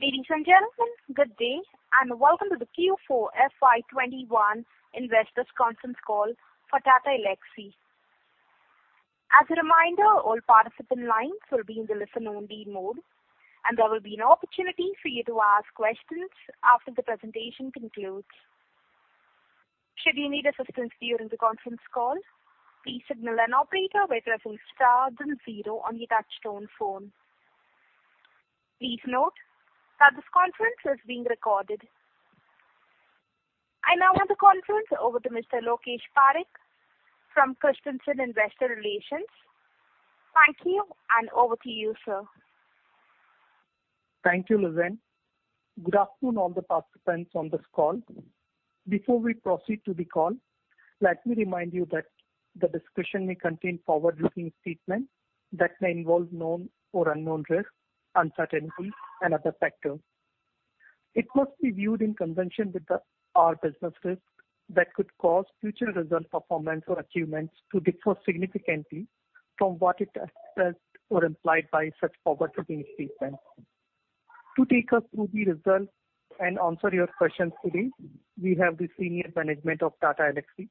Ladies and gentlemen, good day, and welcome to the Q4 FY 2021 Investors conference call for Tata Elxsi. As a reminder, all participant lines will be in the listen-only mode, and there will be an opportunity for you to ask questions after the presentation concludes. Should you need assistance during the conference call, please signal an operator by pressing star then zero on your touch-tone phone. Please note that this conference is being recorded. I now hand the conference over to Mr. Lokesh Pareek from Christensen Investor Relations. Thank you, and over to you, sir. Thank you, Lizann. Good afternoon, all the participants on this call. Before we proceed to the call, let me remind you that the discussion may contain forward-looking statements that may involve known or unknown risks, uncertainties, and other factors. It must be viewed in conjunction with our businesses that could cause future result performance or achievements to differ significantly from what is assessed or implied by such forward-looking statements. To take us through the results and answer your questions today, we have the senior management of Tata Elxsi,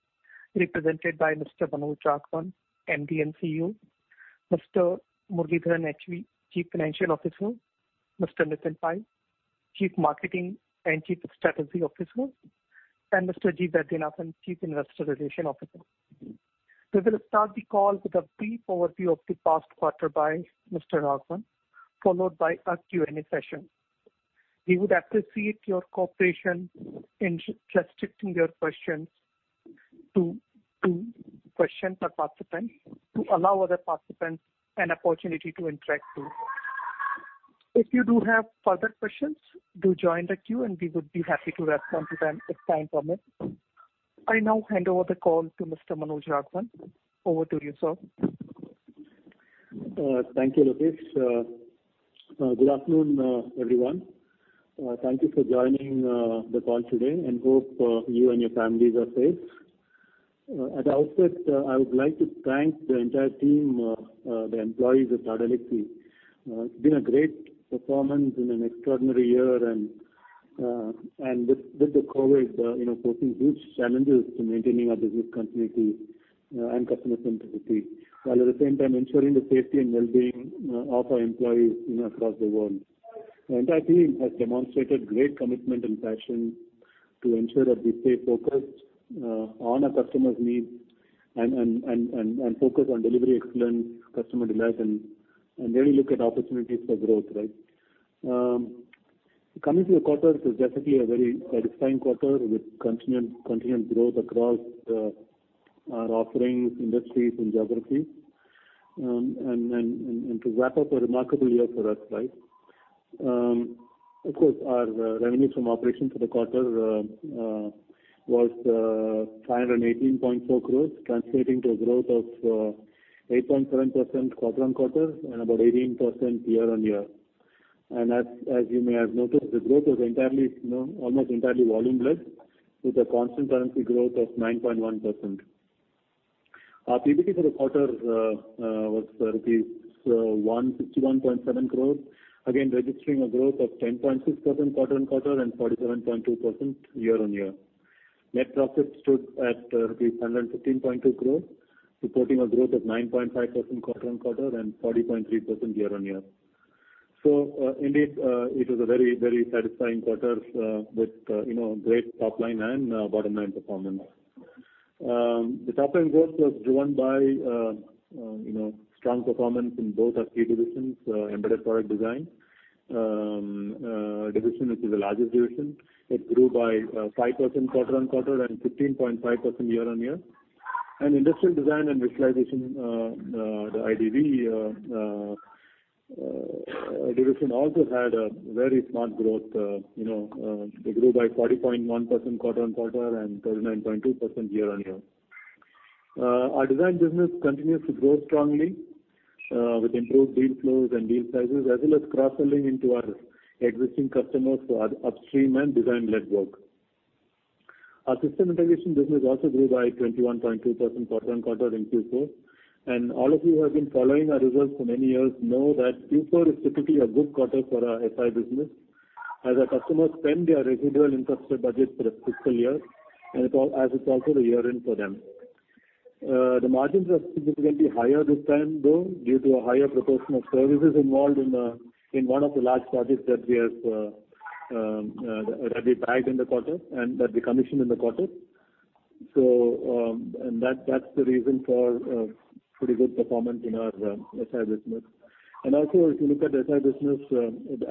represented by Mr. Manoj Raghavan, MD & CEO; Mr. Muralidharan H.V., Chief Financial Officer; Mr. Nitin Pai, Chief Marketing and Chief Strategy Officer; and Mr. G. Vaidyanathan, Chief Investor Relations Officer. We will start the call with a brief overview of the past quarter by Mr. Raghavan, followed by a Q&A session. We would appreciate your cooperation in restricting your questions to two questions per participant to allow other participants an opportunity to interact too. If you do have further questions, do join the queue, and we would be happy to respond to them if time permits. I now hand over the call to Mr. Manoj Raghavan. Over to you, sir. Thank you, Lokesh. Good afternoon, everyone. Thank you for joining the call today, and hope you and your families are safe. At the outset, I would like to thank the entire team, the employees of Tata Elxsi. It's been a great performance in an extraordinary year, and with the COVID posing huge challenges to maintaining our business continuity and customer centricity, while at the same time ensuring the safety and well-being of our employees across the world. The entire team has demonstrated great commitment and passion to ensure that we stay focused on our customers' needs and focus on delivery excellence, customer delight, and really look at opportunities for growth. Coming to the quarter, it is definitely a very satisfying quarter with continued growth across our offerings, industries, and geographies. To wrap up a remarkable year for us. Of course, our revenues from operations for the quarter were 518.4 crores, translating to a growth of 8.7% quarter-on-quarter and about 18% year-on-year. As you may have noticed, the growth was almost entirely volume-led, with a constant currency growth of 9.1%. Our PBT for the quarter was rupees 161.7 crores, again, registering a growth of 10.6% quarter-on-quarter and 47.2% year-on-year. Net profit stood at rupees 115.2 crores, reporting a growth of 9.5% quarter-on-quarter and 40.3% year-on-year. Indeed, it was a very satisfying quarter with great top-line and bottom-line performance. The top-line growth was driven by strong performance in both our key divisions, Embedded Product Design division, which is the largest division. It grew by 5% quarter-on-quarter and 15.5% year-on-year. Industrial Design and Visualization, the IDV division also had a very smart growth. They grew by 40.1% quarter-on-quarter and 39.2% year-on-year. Our design business continues to grow strongly with improved deal flows and deal sizes, as well as cross-selling into our existing customers for our upstream and design-led work. Our system integration business also grew by 21.2% quarter-on-quarter in Q4. All of you who have been following our results for many years know that Q4 is typically a good quarter for our SI business, as our customers spend their residual infrastructure budget for the fiscal year, as it's also the year-end for them. The margins are significantly higher this time, though, due to a higher proportion of services involved in one of the large projects that we bagged in the quarter and that we commissioned in the quarter. That's the reason for pretty good performance in our SI business. Also, if you look at the SI business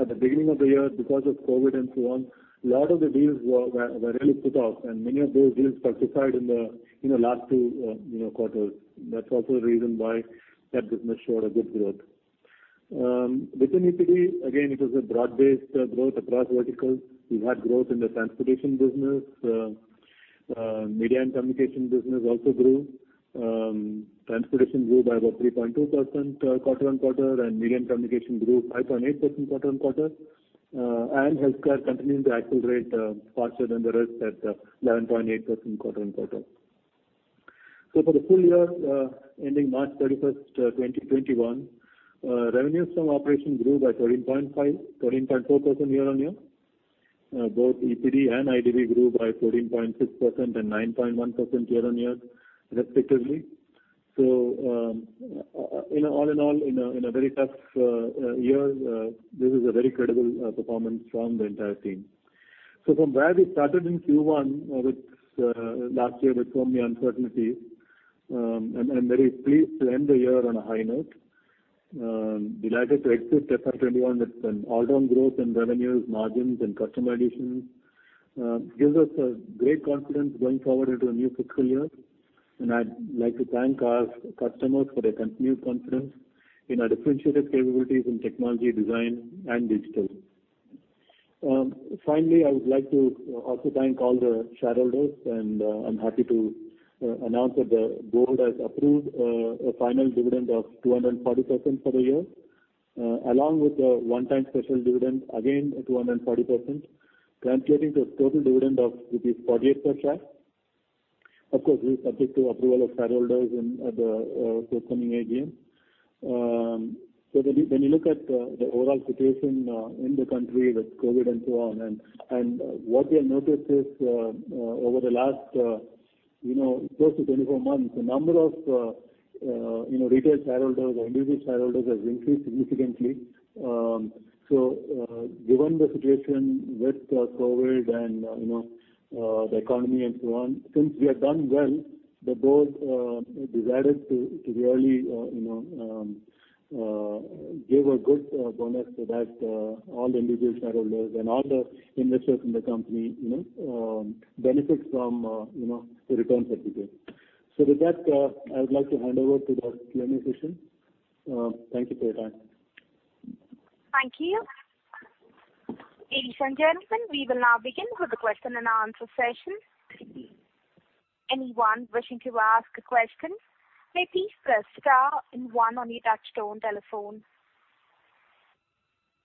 at the beginning of the year, because of COVID and so on, a lot of the deals were really put off, and many of those deals fructified in the last two quarters. That's also a reason why that business showed a good growth. Within EPD, again, it was a broad-based growth across verticals. We had growth in the transportation business. Media and communication business also grew. Transportation grew by about 3.2% quarter-on-quarter, and media and communication grew 5.8% quarter-on-quarter. Healthcare continued to accelerate faster than the rest at 11.8% quarter-on-quarter. For the full year ending March 31st, 2021, revenues from operations grew by 13.4% year-on-year. Both EPD and IDV grew by 14.6% and 9.1% year-on-year respectively. All in all, in a very tough year, this is a very credible performance from the entire team. From where we started in Q1 last year with so many uncertainties, I'm very pleased to end the year on a high note. Delighted to exit FY 2021 with an all-round growth in revenues, margins, and customer additions. Gives us great confidence going forward into a new fiscal year, and I'd like to thank our customers for their continued confidence in our differentiated capabilities in technology, design, and digital. Finally, I would like to also thank all the shareholders, and I'm happy to announce that the board has approved a final dividend of 240% for the year, along with a one-time special dividend, again at 240%, translating to a total dividend of rupees 48 per share. Of course, this is subject to approval of shareholders at the forthcoming AGM. When you look at the overall situation in the country with COVID and so on, and what we have noticed is, over the last close to 24 months, the number of retail shareholders or individual shareholders has increased significantly. Given the situation with COVID and the economy and so on, since we have done well, the board decided to really give a good bonus so that all individual shareholders and all the investors in the company benefit from the returns that we give. With that, I would like to hand over to the Q&A session. Thank you for your time. Thank you. Ladies and gentlemen, we will now begin with the question-and-answer session. Anyone wishing to ask a question may please press star and one on your touchtone telephone.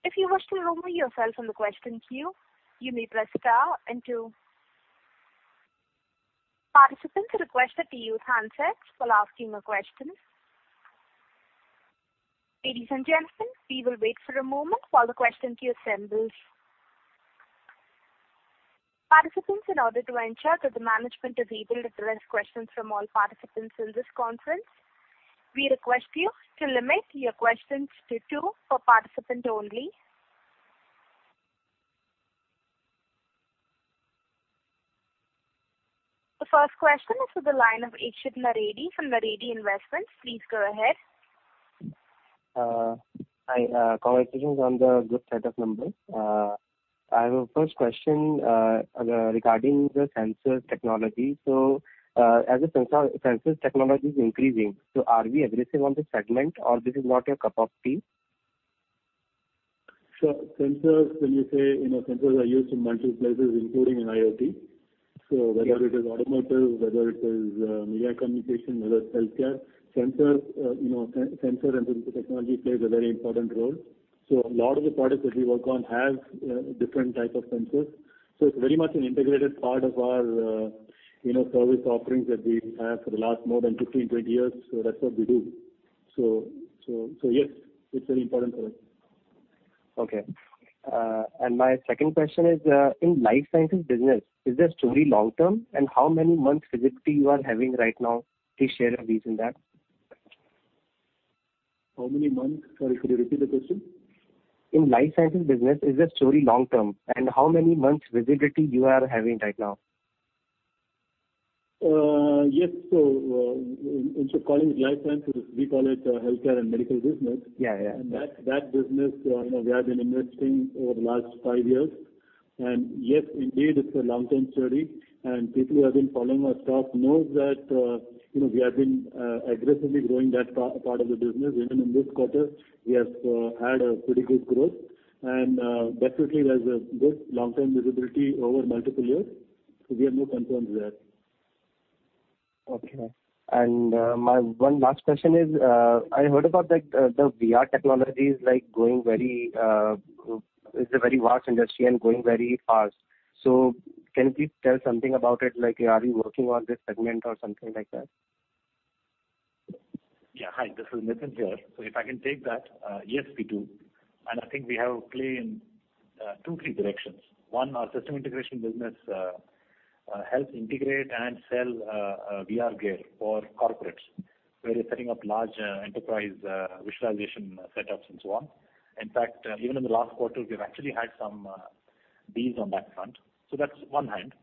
If you wish to remove yourself from the question queue, you may press star and two. Participants are requested to use handsets while asking a question. Ladies and gentlemen, we will wait for a moment while the question queue assembles. Participants, in order to ensure that the management is able to address questions from all participants in this conference, we request you to limit your questions to two per participant only. The first question is to the line of Ikshit Naredi from Naredi Investments. Please go ahead. Hi. Congratulations on the good set of numbers. I have a first question regarding the sensors technology. As sensor technology is increasing, so are we aggressive on the segment or this is not your cup of tea? Sensors, when you say, sensors are used in multiple places, including in IoT. Whether it is automotive, whether it is media communication, whether it's healthcare, sensor and sensor technology plays a very important role. A lot of the products that we work on have different types of sensors. It's very much an integrated part of our service offerings that we have had for the last more than 15, 20 years. That's what we do. Yes, it's very important for us. Okay. My second question is, in life sciences business, is that story long-term, and how many months visibility you are having right now? Please share a vis on that. How many months? Sorry, could you repeat the question? In life sciences business, is that story long-term, and how many months visibility you are having right now? Yes. Instead of calling it life sciences, we call it healthcare and medical business. Yeah. That business, we have been investing over the last five years. Yes, indeed, it's a long-term story. People who have been following our stock know that we have been aggressively growing that part of the business. Even in this quarter, we have had a pretty good growth. Definitely, there's a good long-term visibility over multiple years. We have no concerns there. Okay. My one last question is, I heard about the VR technologies, it's a very vast industry and growing very fast. Can you please tell something about it, like are you working on this segment or something like that? Hi. This is Nitin here. If I can take that. Yes, we do. I think we have a play in two, three directions. One, our system integration business helps integrate and sell VR gear for corporates where they're setting up large enterprise visualization setups and so on. In fact, even in the last quarter, we've actually had some deals on that front. That's one hand.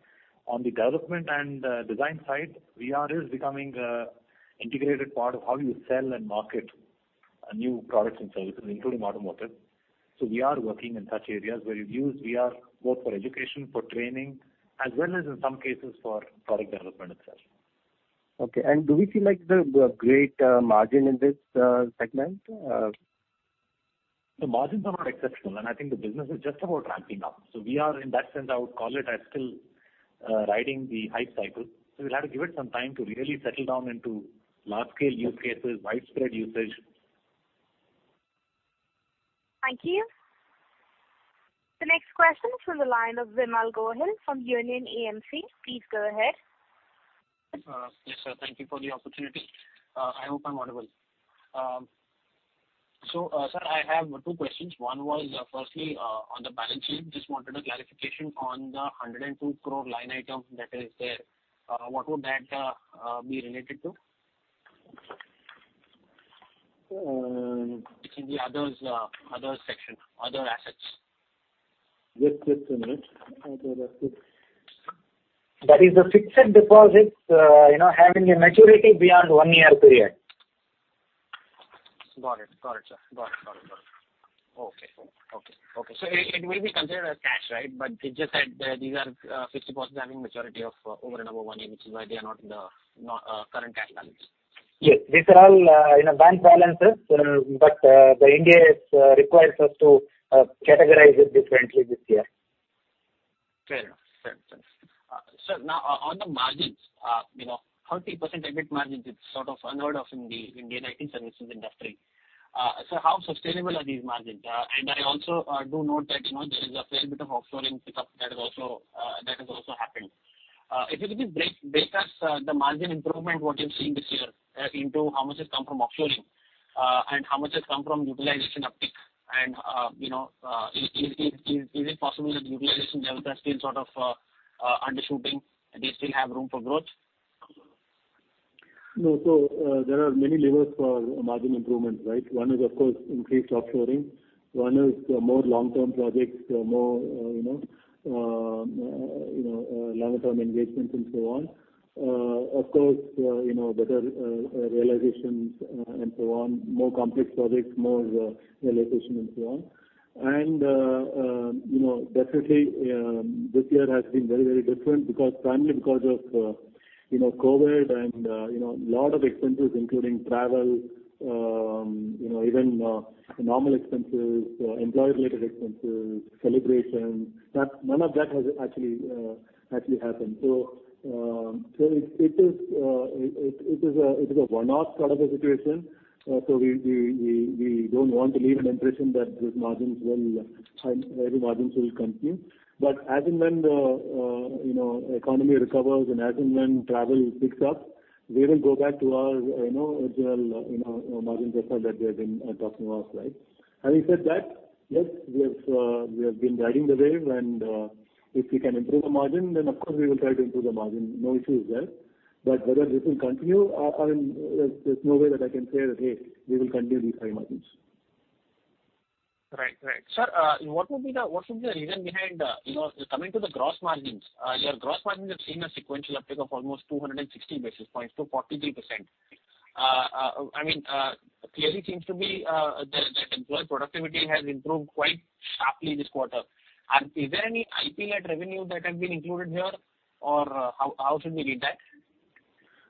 On the development and design side, VR is becoming an integrated part of how you sell and market new products and services, including automotive. We are working in such areas where you use VR both for education, for training, as well as in some cases for product development itself. Okay. Do we see the great margin in this segment? The margins are not exceptional, and I think the business is just about ramping up. We are, in that sense, I would call it, are still riding the hype cycle. We'll have to give it some time to really settle down into large-scale use cases, widespread usage. Thank you. The next question from the line of Vimal Gohil from Union AMC. Please go ahead. Yes, sir. Thank you for the opportunity. I hope I'm audible. Sir, I have two questions. One was firstly, on the balance sheet. Just wanted a clarification on the 102 crore line item that is there. What would that be related to? It's in the other section, other assets. Just a minute. That is the fixed deposits, having a maturity beyond one-year period. Got it, sir. Okay. It will be considered as cash, right? You just said these are fixed deposits having maturity of over and above one year, which is why they are not in the current liabilities. Yes. These are all bank balances. The Ind AS requires us to categorize it differently this year. Fair enough, sir. Now on the margins. 30% EBIT margins is sort of unheard of in the Indian IT services industry. Sir, how sustainable are these margins? I also do note that there is a fair bit of offshoring pickup that has also happened. If you could please break us the margin improvement, what you're seeing this year into how much has come from offshoring and how much has come from utilization uptick, and is it possible that utilization levels are still sort of undershooting? Do you still have room for growth? No. There are many levers for margin improvements. One is, of course, increased offshoring. One is more long-term projects, more longer-term engagements and so on. Of course, better realizations and so on, more complex projects, more realization and so on. Definitely, this year has been very different, primarily because of COVID and a lot of expenses, including travel, even nominal expenses, employee-related expenses, celebrations. None of that has actually happened. It is a one-off sort of a situation. We don't want to leave an impression that these high margins will continue. As and when the economy recovers and as and when travel picks up, we will go back to our original margin profile that we have been talking about. Having said that, yes, we have been riding the wave and if we can improve the margin, then of course, we will try to improve the margin. No issue is there. Whether this will continue or there's no way that I can say that, "Hey, we will continue these high margins. Right. Sir, what should be the reason behind coming to the gross margins? Your gross margins have seen a sequential uptick of almost 260 basis points to 43%. Clearly seems to be that employee productivity has improved quite sharply this quarter. Is there any IP-led revenue that has been included here? How should we read that?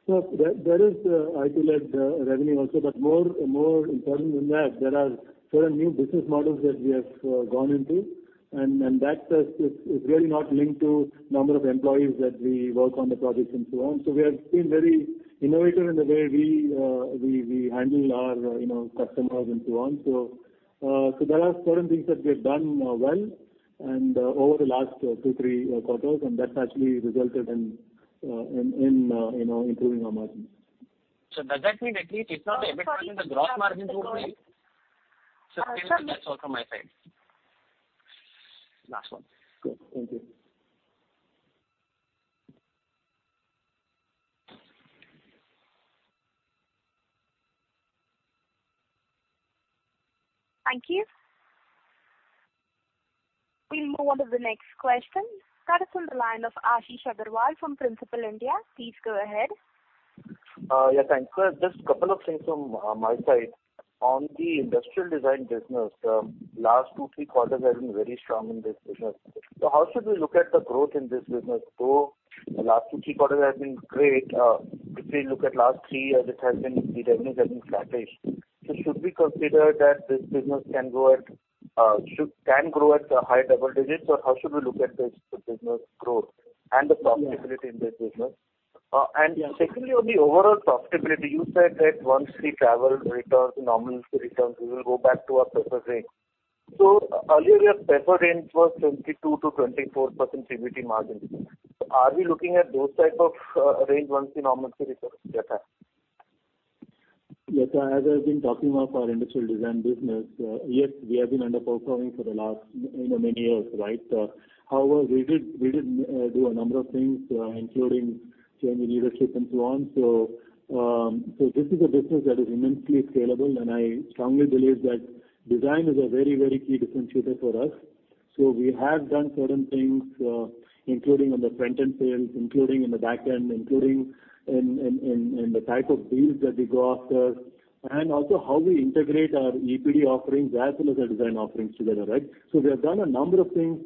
No. There is IP-led revenue also. More important than that, there are certain new business models that we have gone into and that is really not linked to number of employees that we work on the projects and so on. We have been very innovative in the way we handle our customers and so on. There are certain things that we've done well and over the last two, three quarters, and that's actually resulted in improving our margins. Sir, does that mean at least if not the EBIT margin, the gross margins would be. Sir, that's all from my side. Last one. Cool. Thank you. Thank you. We'll move on to the next question. That is on the line of Ashish Agarwal from Principal India. Please go ahead. Yes, thank you. Just couple of things from my side. On the industrial design business. Last two, three quarters has been very strong in this business. How should we look at the growth in this business? Though last two, three quarters has been great. If we look at last three years, the revenue has been flattish. Should we consider that this business can grow at high double digits, or how should we look at this business growth and the profitability in this business? Secondly, on the overall profitability, you said that once the travel returns to normalcy, we will go back to our preferred range. Earlier, your preferred range was 22%-24% EBITDA margin. Are we looking at those type of range once the normalcy returns, sir? Yes. As I've been talking about our industrial design business, yes, we have been underperforming for the last many years. We did do a number of things, including changing leadership and so on. This is a business that is immensely scalable and I strongly believe that design is a very key differentiator for us. We have done certain things, including on the front-end sales, including in the back-end, including in the type of deals that we go after and also how we integrate our EPD offerings as well as our design offerings together. We have done a number of things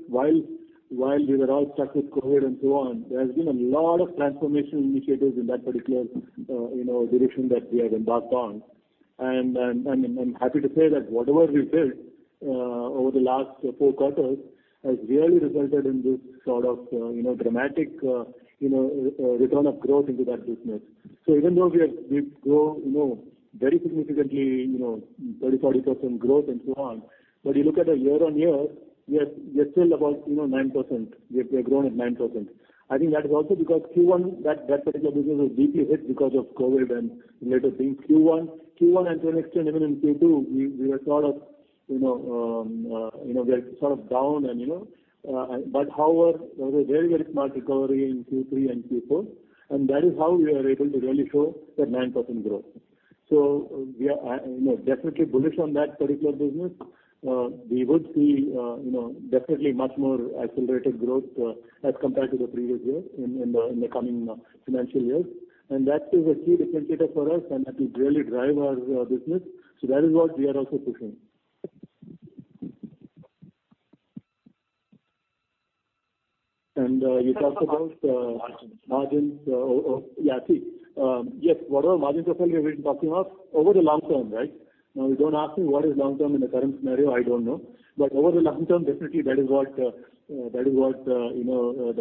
while we were all stuck with COVID and so on. There has been a lot of transformation initiatives in that particular direction that we have embarked on. I'm happy to say that whatever we've built over the last four quarters has really resulted in this sort of dramatic return of growth into that business. Even though we have grown very significantly, 30%-40% growth and so on, you look at the year-over-year, we are still about 9%. We have grown at 9%. I think that is also because Q1, that particular business was deeply hit because of COVID and related things. Q1, and to an extent even in Q2, we were sort of down. However, there was a very, very smart recovery in Q3 and Q4, and that is how we are able to really show that 9% growth. We are definitely bullish on that particular business. We would see definitely much more accelerated growth as compared to the previous year in the coming financial year. That is a key differentiator for us, and that will really drive our business. That is what we are also pushing. You talked about? Margins. Margins. Yeah, see. Yes, whatever margins profile we've been talking of, over the long term, right? Now, you don't ask me what is long term in the current scenario, I don't know. Over the long term, definitely that is what the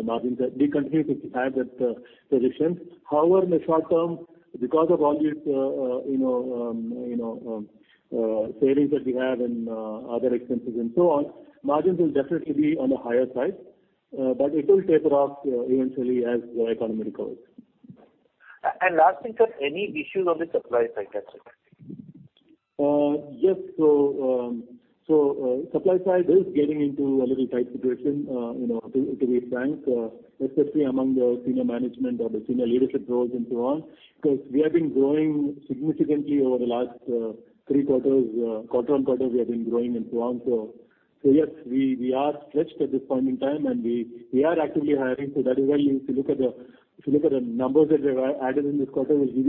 margins are. We continue to have that position. However, in the short term, because of all these savings that we have and other expenses and so on, margins will definitely be on the higher side. It will taper off eventually as the economy recovers. Last thing, sir, any issues on the supply side that you're facing? Yes. Supply side is getting into a little tight situation, to be frank, especially among the senior management or the senior leadership roles and so on, because we have been growing significantly over the last three quarters. Quarter-on-quarter, we have been growing and so on. Yes, we are stretched at this point in time, and we are actively hiring. That is why if you look at the numbers that we've added in this quarter, will give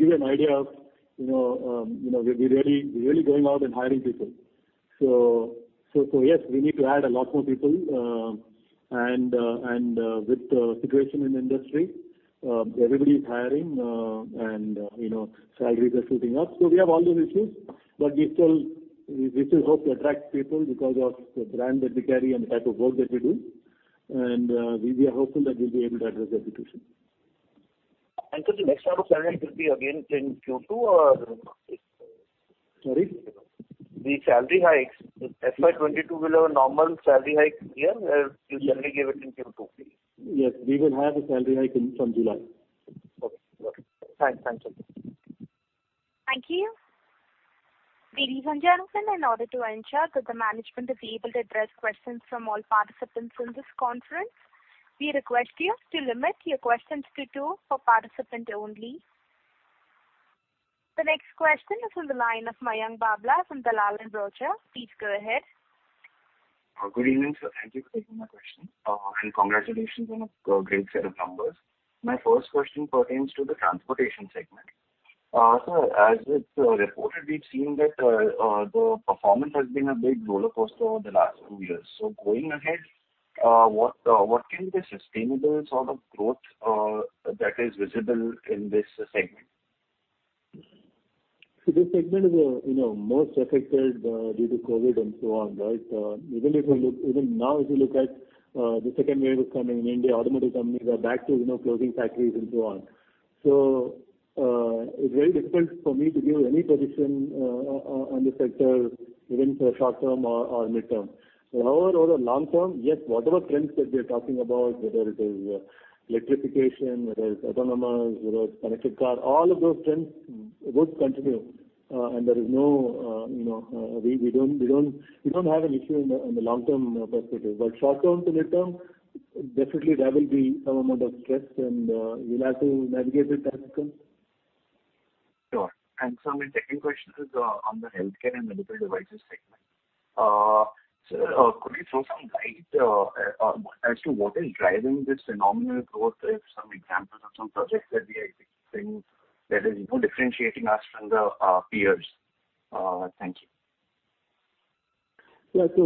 you an idea of we're really going out and hiring people. Yes, we need to add a lot more people, and with the situation in the industry everybody's hiring, and salaries are shooting up. We have all those issues, but we still hope to attract people because of the brand that we carry and the type of work that we do. We are hopeful that we'll be able to address that situation. The next round of salary hike will be again in Q2 or? Sorry? The salary hikes. FY 2022 will have a normal salary hike here where you generally give it in Q2? Yes, we will have a salary hike from July. Okay. Got it. Thanks. Thank you. Ladies and gentlemen, in order to ensure that the management will be able to address questions from all participants in this conference, we request you to limit your questions to two per participant only. The next question is on the line of Mayank Babla from Dalal & Broacha. Please go ahead. Good evening, sir. Thank you for taking my question. Congratulations on a great set of numbers. My first question pertains to the transportation segment. Sir, as it's reported, we've seen that the performance has been a big rollercoaster over the last two years. Going ahead, what can be the sustainable sort of growth that is visible in this segment? This segment is most affected due to COVID and so on, right? Even now, if you look at the second wave is coming in India, automotive companies are back to closing factories and so on. It's very difficult for me to give any position on the sector within short term or midterm. However, over the long term, yes, whatever trends that we're talking about, whether it is electrification, whether it's autonomous, whether it's connected car, all of those trends would continue. We don't have an issue in the long-term perspective. Short-term to midterm, definitely there will be some amount of stress, and we'll have to navigate that cycle. Sure. Sir, my second question is on the healthcare and medical devices segment. Sir, could you throw some light as to what is driving this phenomenal growth? If some examples of some projects that we are executing that is differentiating us from the peers. Thank you. Yeah. As I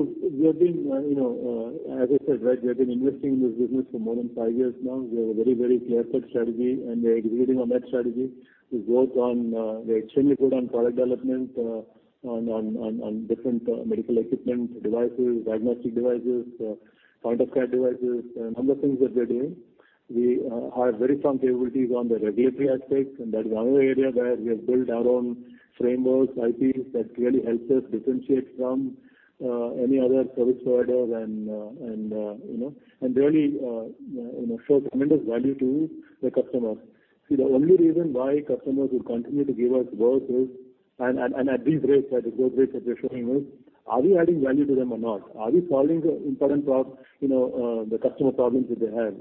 said, right, we have been investing in this business for more than five years now. We have a very, very clear-cut strategy, and we are executing on that strategy. We work on the extremely good end product development on different medical equipment devices, diagnostic devices, point-of-care devices, a number of things that we are doing. We have very strong capabilities on the regulatory aspect, and that is another area where we have built our own frameworks, IPs, that really helps us differentiate from any other service provider and really show tremendous value to the customer. See, the only reason why customers will continue to give us work is, and at these rates, at the growth rates that we're showing is, are we adding value to them or not? Are we solving the important customer problems that they have?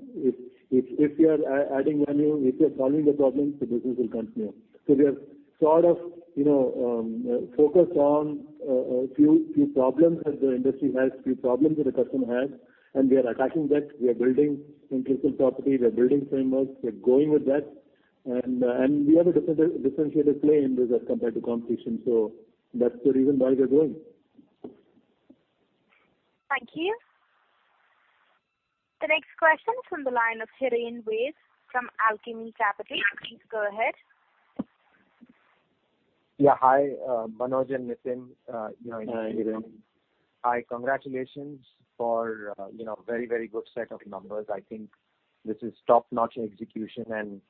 If we are adding value, if we are solving the problem, the business will continue. We are sort of focused on a few problems that the industry has, few problems that the customer has, and we are attacking that. We are building intellectual property, we are building frameworks. We are going with that, and we have a differentiated play in this as compared to competition. That's the reason why we are growing. Thank you. The next question from the line of Hiren Ved from Alchemy Capital. Please go ahead. Yeah. Hi, Manoj and Nitin. Hi, Hiren. Hi, congratulations for very good set of numbers. I think this is top-notch execution and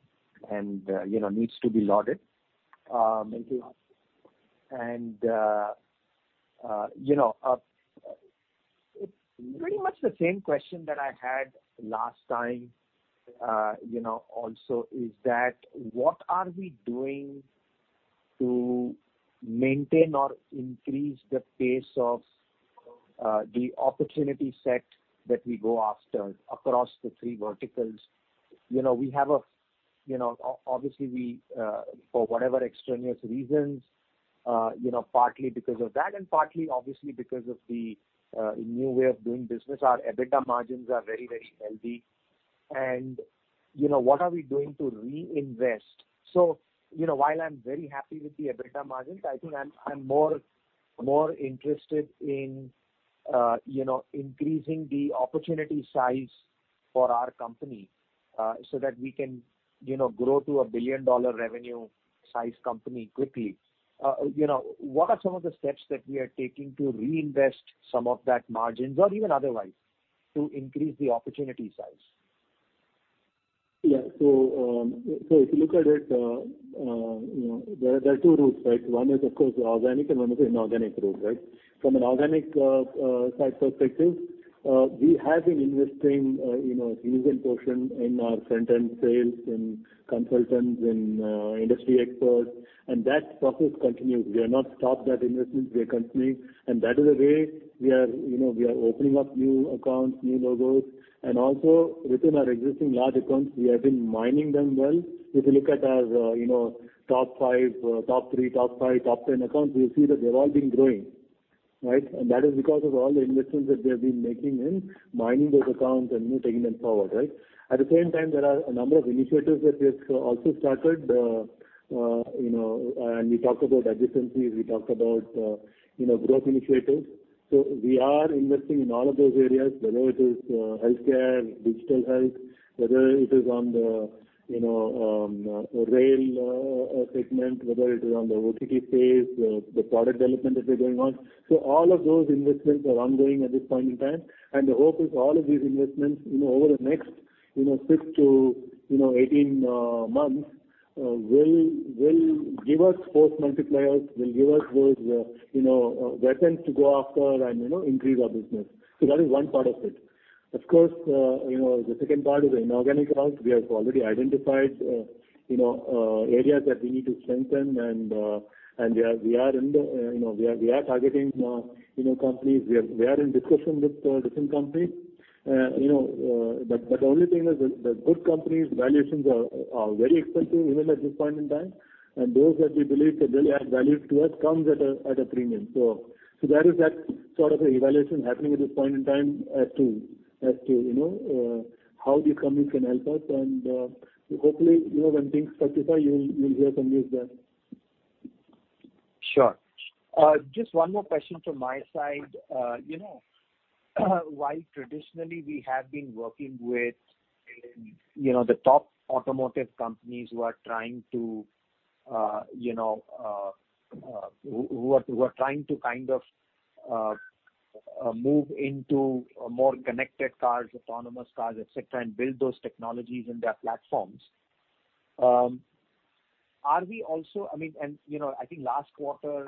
needs to be lauded. Thank you. It's pretty much the same question that I had last time also, is that what are we doing to maintain or increase the pace of the opportunity set that we go after across the three verticals? Obviously, for whatever extraneous reasons, partly because of that, and partly obviously because of the new way of doing business, our EBITDA margins are very healthy. What are we doing to reinvest? While I'm very happy with the EBITDA margins, I think I'm more interested in increasing the opportunity size for our company, so that we can grow to a billion-dollar revenue size company quickly. What are some of the steps that we are taking to reinvest some of that margins or even otherwise to increase the opportunity size? Yeah. If you look at it, there are two routes, right? One is, of course, organic and one is inorganic route. From an organic side perspective, we have been investing a huge portion in our front-end sales, in consultants, in industry experts, and that process continues. We have not stopped that investment. We are continuing. That is the way we are opening up new accounts, new logos. Also within our existing large accounts, we have been mining them well. If you look at our top three, top five, top 10 accounts, you'll see that they've all been growing, right? That is because of all the investments that we have been making in mining those accounts and taking them forward. At the same time, there are a number of initiatives that we have also started. We talked about adjacencies, we talked about growth initiatives. We are investing in all of those areas, whether it is healthcare, digital health, whether it is on the rail segment, whether it is on the OTT space, the product development that we are going on. All of those investments are ongoing at this point in time, and the hope is all of these investments over the next 6 to 18 months will give us those multipliers, will give us those weapons to go after and increase our business. That is one part of it. Of course, the second part is the inorganic route. We have already identified areas that we need to strengthen, and we are targeting companies. We are in discussions with different companies. The only thing is that good companies' valuations are very expensive even at this point in time. Those that we believe that will add value to us comes at a premium. There is that sort of evaluation happening at this point in time as to how these companies can help us. Hopefully, when things solidify, you will hear some news there. Sure. Just one more question from my side. While traditionally we have been working with the top automotive companies who are trying to move into more connected cars, autonomous cars, et cetera, and build those technologies in their platforms. I think last quarter,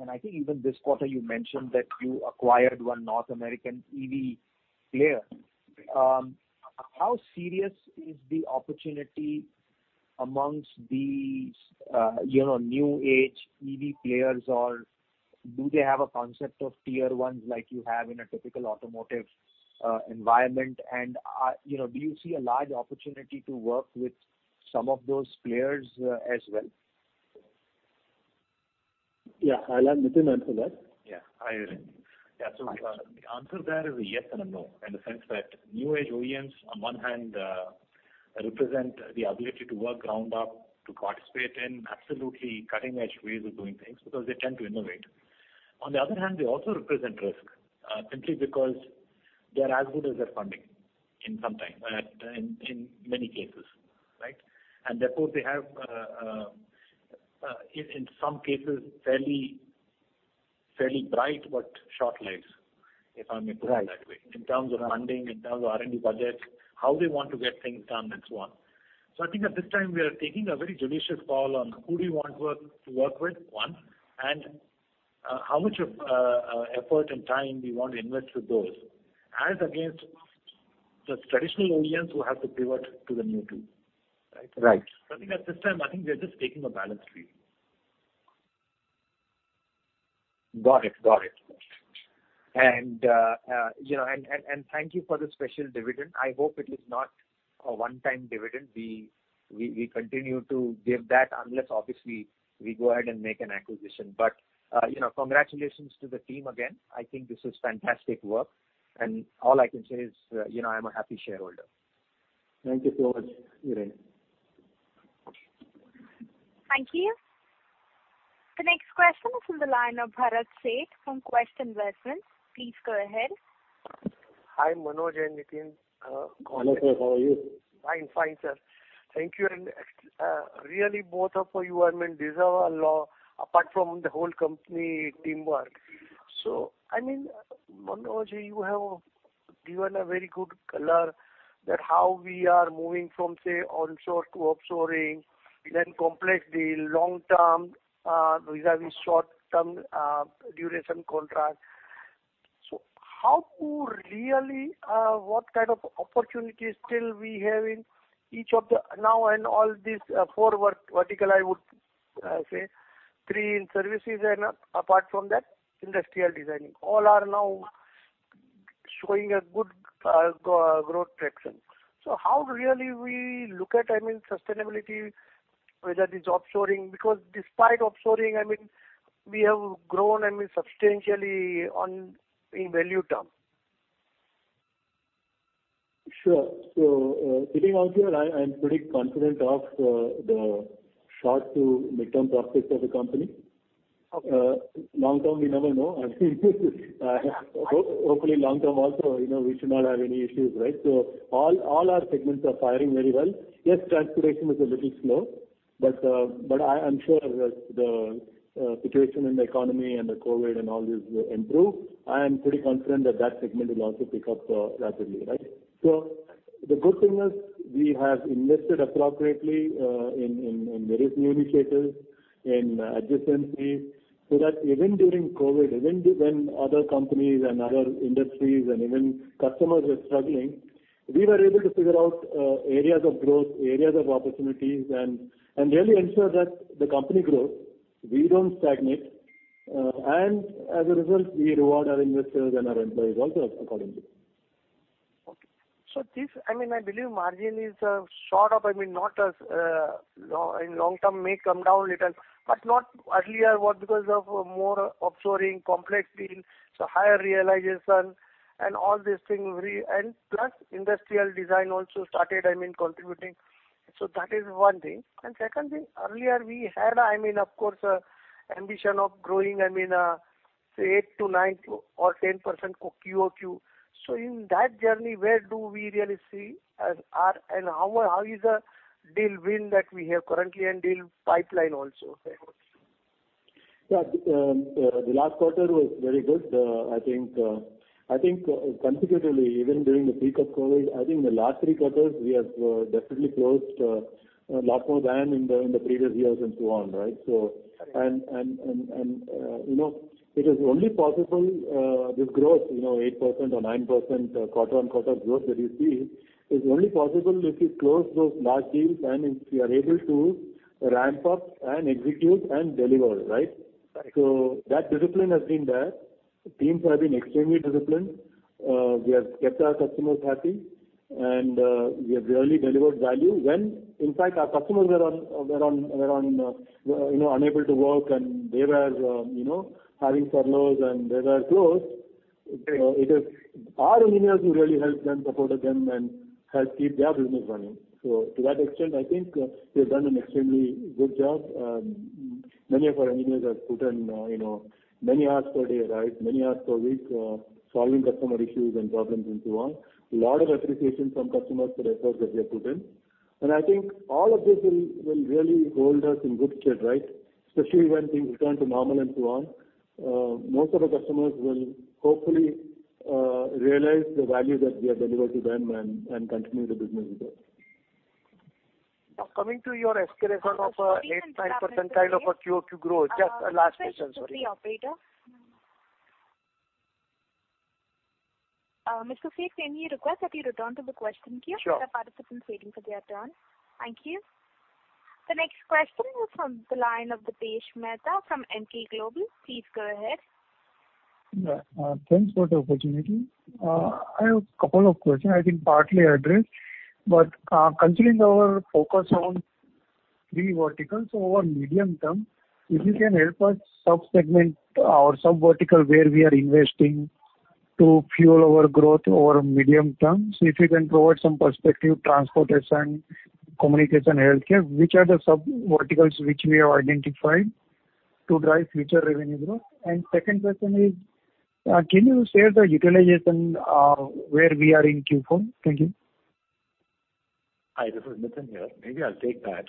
and I think even this quarter, you mentioned that you acquired one North American EV player. How serious is the opportunity amongst these new-age EV players, or do they have a concept of tier one like you have in a typical automotive environment? Do you see a large opportunity to work with some of those players as well? Yeah. I'll have Nitin answer that. Yeah. Hi, Hiren. Yeah. The answer there is a yes and a no, in the sense that new-age OEMs on one hand represent the ability to work ground up to participate in absolutely cutting-edge ways of doing things because they tend to innovate. On the other hand, they also represent risk, simply because they're as good as their funding in many cases. Therefore they have, in some cases, fairly bright but short lives, if I may put it that way. In terms of funding, in terms of R&D budgets, how they want to get things done, and so on. I think at this time, we are taking a very judicious call on who do we want to work with, one, and how much of effort and time we want to invest with those, as against the traditional OEMs who have to pivot to the new tool. Right. I think at this time, I think we are just taking a balanced view. Got it. Thank you for the special dividend. I hope it is not a one-time dividend. We continue to give that unless obviously we go ahead and make an acquisition. Congratulations to the team again. I think this is fantastic work, and all I can say is, I'm a happy shareholder. Thank you so much, Hiren. Thank you. The next question is from the line of Bharat Sheth from Quest Investments. Please go ahead. Hi, Manoj and Nitin. Manoj here. How are you? Fine, sir. Thank you. Really both of you, I mean, deserve a lot apart from the whole company teamwork. I mean, Manoj, you have given a very good color that how we are moving from, say, onshore to offshoring, then complex deal long-term, whether it be short-term duration contract. What kind of opportunities still we have in each of the now and all these four vertical, I would say, three in services and apart from that, industrial designing? All are now showing a good growth traction. How really we look at, I mean, sustainability, whether it is offshoring, because despite offshoring, I mean, we have grown, I mean, substantially in value term? Sure. Sitting out here, I'm pretty confident of the short to mid-term prospects of the company. Okay. Long-term, we never know. Hopefully long-term also, we should not have any issues, right? All our segments are fairing very well. Yes, transportation is a little slow, but I'm sure as the situation in the economy and the COVID and all this improve, I am pretty confident that segment will also pick up rapidly, right? The good thing is we have invested appropriately in various new initiatives, in adjacencies, so that even during COVID, even when other companies and other industries and even customers were struggling, we were able to figure out areas of growth, areas of opportunities, and really ensure that the company grows. We don't stagnate. As a result, we reward our investors and our employees also accordingly. Okay. This, I mean, I believe margin is short of, I mean, not as in long-term may come down little, but not earlier what, because of more offshoring complex deal, so higher realization and all these things. Plus industrial design also started, I mean, contributing. That is one thing. Second thing, earlier we had, I mean, of course, ambition of growing, I mean, say 8% to 9% to or 10% QOQ. In that journey, where do we really see? How is the deal win that we have currently and deal pipeline also fair? Yeah. The last quarter was very good. I think consecutively, even during the peak of COVID, I think the last three quarters, we have definitely closed a lot more than in the previous years and so on, right? Correct. It is only possible, this growth, 8% or 9% quarter-over-quarter growth that you see, is only possible if you close those large deals and if you are able to ramp up and execute and deliver, right? Right. That discipline has been there. Teams have been extremely disciplined. We have kept our customers happy, and we have really delivered value when, in fact, our customers were unable to work and they were having furloughs and they were closed. Right. It is our engineers who really helped them, supported them, and helped keep their business running. To that extent, I think we've done an extremely good job. Many of our engineers have put in many hours per day, right? Many hours per week, solving customer issues and problems and so on. A lot of appreciation from customers for the efforts that they put in. I think all of this will really hold us in good stead, right? Especially when things return to normal and so on. Most of the customers will hopefully realize the value that we have delivered to them and continue the business with us. Coming to your escalation of 8%-9% kind of a QOQ growth. Just a last question, sorry. Mr. Sheth, can we request that you return to the question queue? Sure. There are participants waiting for their turn. Thank you. The next question is from the line of Dipesh Mehta from Emkay Global. Please go ahead. Yeah. Thanks for the opportunity. I have a couple of questions, I think partly addressed, but considering our focus on three verticals over medium term, if you can help us sub-segment our sub-vertical where we are investing to fuel our growth over medium term. If you can provide some perspective, transportation, communication, healthcare, which are the sub-verticals which we have identified to drive future revenue growth? Second question is, can you share the utilization of where we are in Q4? Thank you. Hi, this is Nitin here. Maybe I'll take that.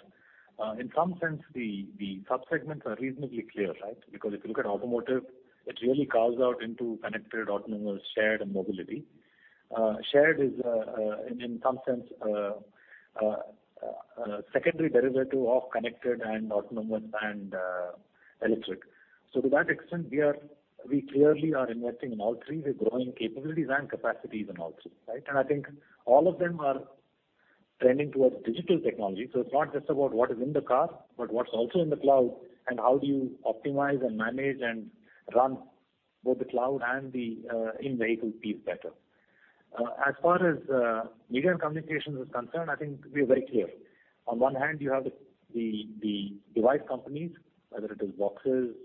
In some sense, the sub-segments are reasonably clear, right? If you look at automotive, it really carves out into connected, autonomous, shared, and mobility. Shared is, in some sense, a secondary derivative of connected and autonomous and electric. To that extent, we clearly are investing in all three. We're growing capabilities and capacities in all three, right? I think all of them are trending towards digital technology. It's not just about what is in the car, but what's also in the cloud and how do you optimize and manage and run both the cloud and the in-vehicle piece better. As far as media and communications is concerned, I think we're very clear. On one hand, you have the device companies, whether it is boxes,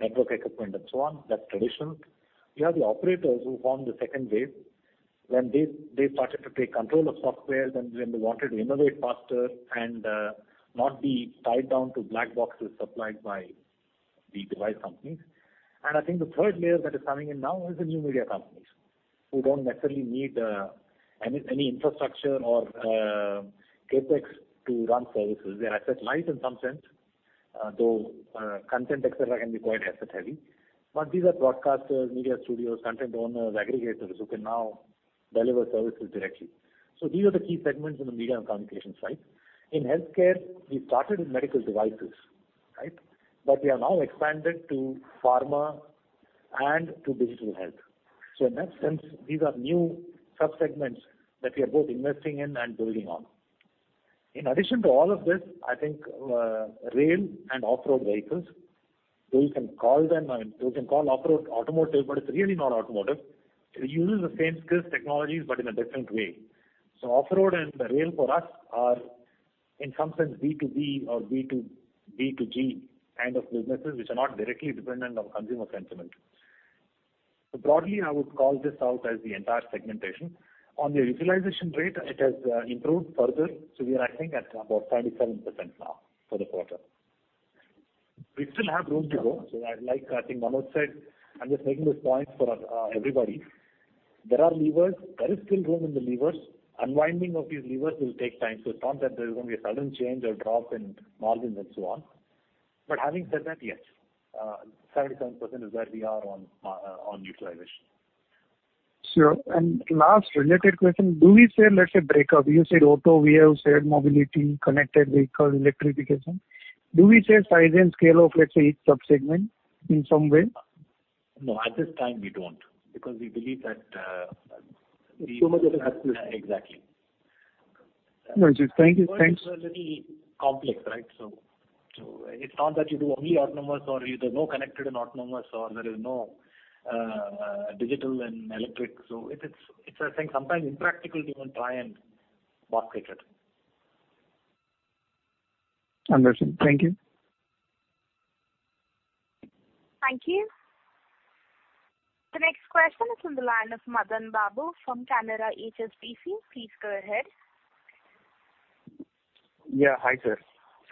network equipment and so on. That's traditional. You have the operators who form the second wave. When they started to take control of software, then when they wanted to innovate faster and not be tied down to black boxes supplied by the device companies. I think the third layer that is coming in now is the new media companies, who don't necessarily need any infrastructure or CapEx to run services. Their asset light in some sense, though content, et cetera, can be quite asset heavy. These are broadcasters, media studios, content owners, aggregators who can now deliver services directly. These are the key segments in the media and communication side. In healthcare, we started with medical devices. We have now expanded to pharma and to digital health. In that sense, these are new sub-segments that we are both investing in and building on. In addition to all of this, I think, rail and off-road vehicles, you can call off-road automotive, but it's really not automotive. It uses the same skills, technologies, but in a different way. Off-road and rail for us are, in some sense, B2B or B2G kind of businesses, which are not directly dependent on consumer sentiment. Broadly, I would call this out as the entire segmentation. On the utilization rate, it has improved further to we are, I think, at about 77% now for the quarter. We still have room to go. As like, I think Manoj said, I'm just making this point for everybody. There are levers. There is still room in the levers. Unwinding of these levers will take time. It's not that there's going to be a sudden change or drop in margins and so on. Having said that, yes, 77% is where we are on utilization. Sure. Last related question, do we say, let's say breakup, you said auto, we have said mobility, connected vehicle, electrification? Do we say size and scale of, let's say, each sub-segment in some way? No, at this time we don't, because we believe. So much of it has to do with. Exactly. No, it is. Thank you. It's really complex, right? It's not that you do only autonomous or either no connected and autonomous or there is no digital and electric. It's, I think, sometimes impractical to even try and bucket it. Understood. Thank you. Thank you. The next question is on the line of Madan Babu from Canara HSBC. Please go ahead. Yeah. Hi, sir.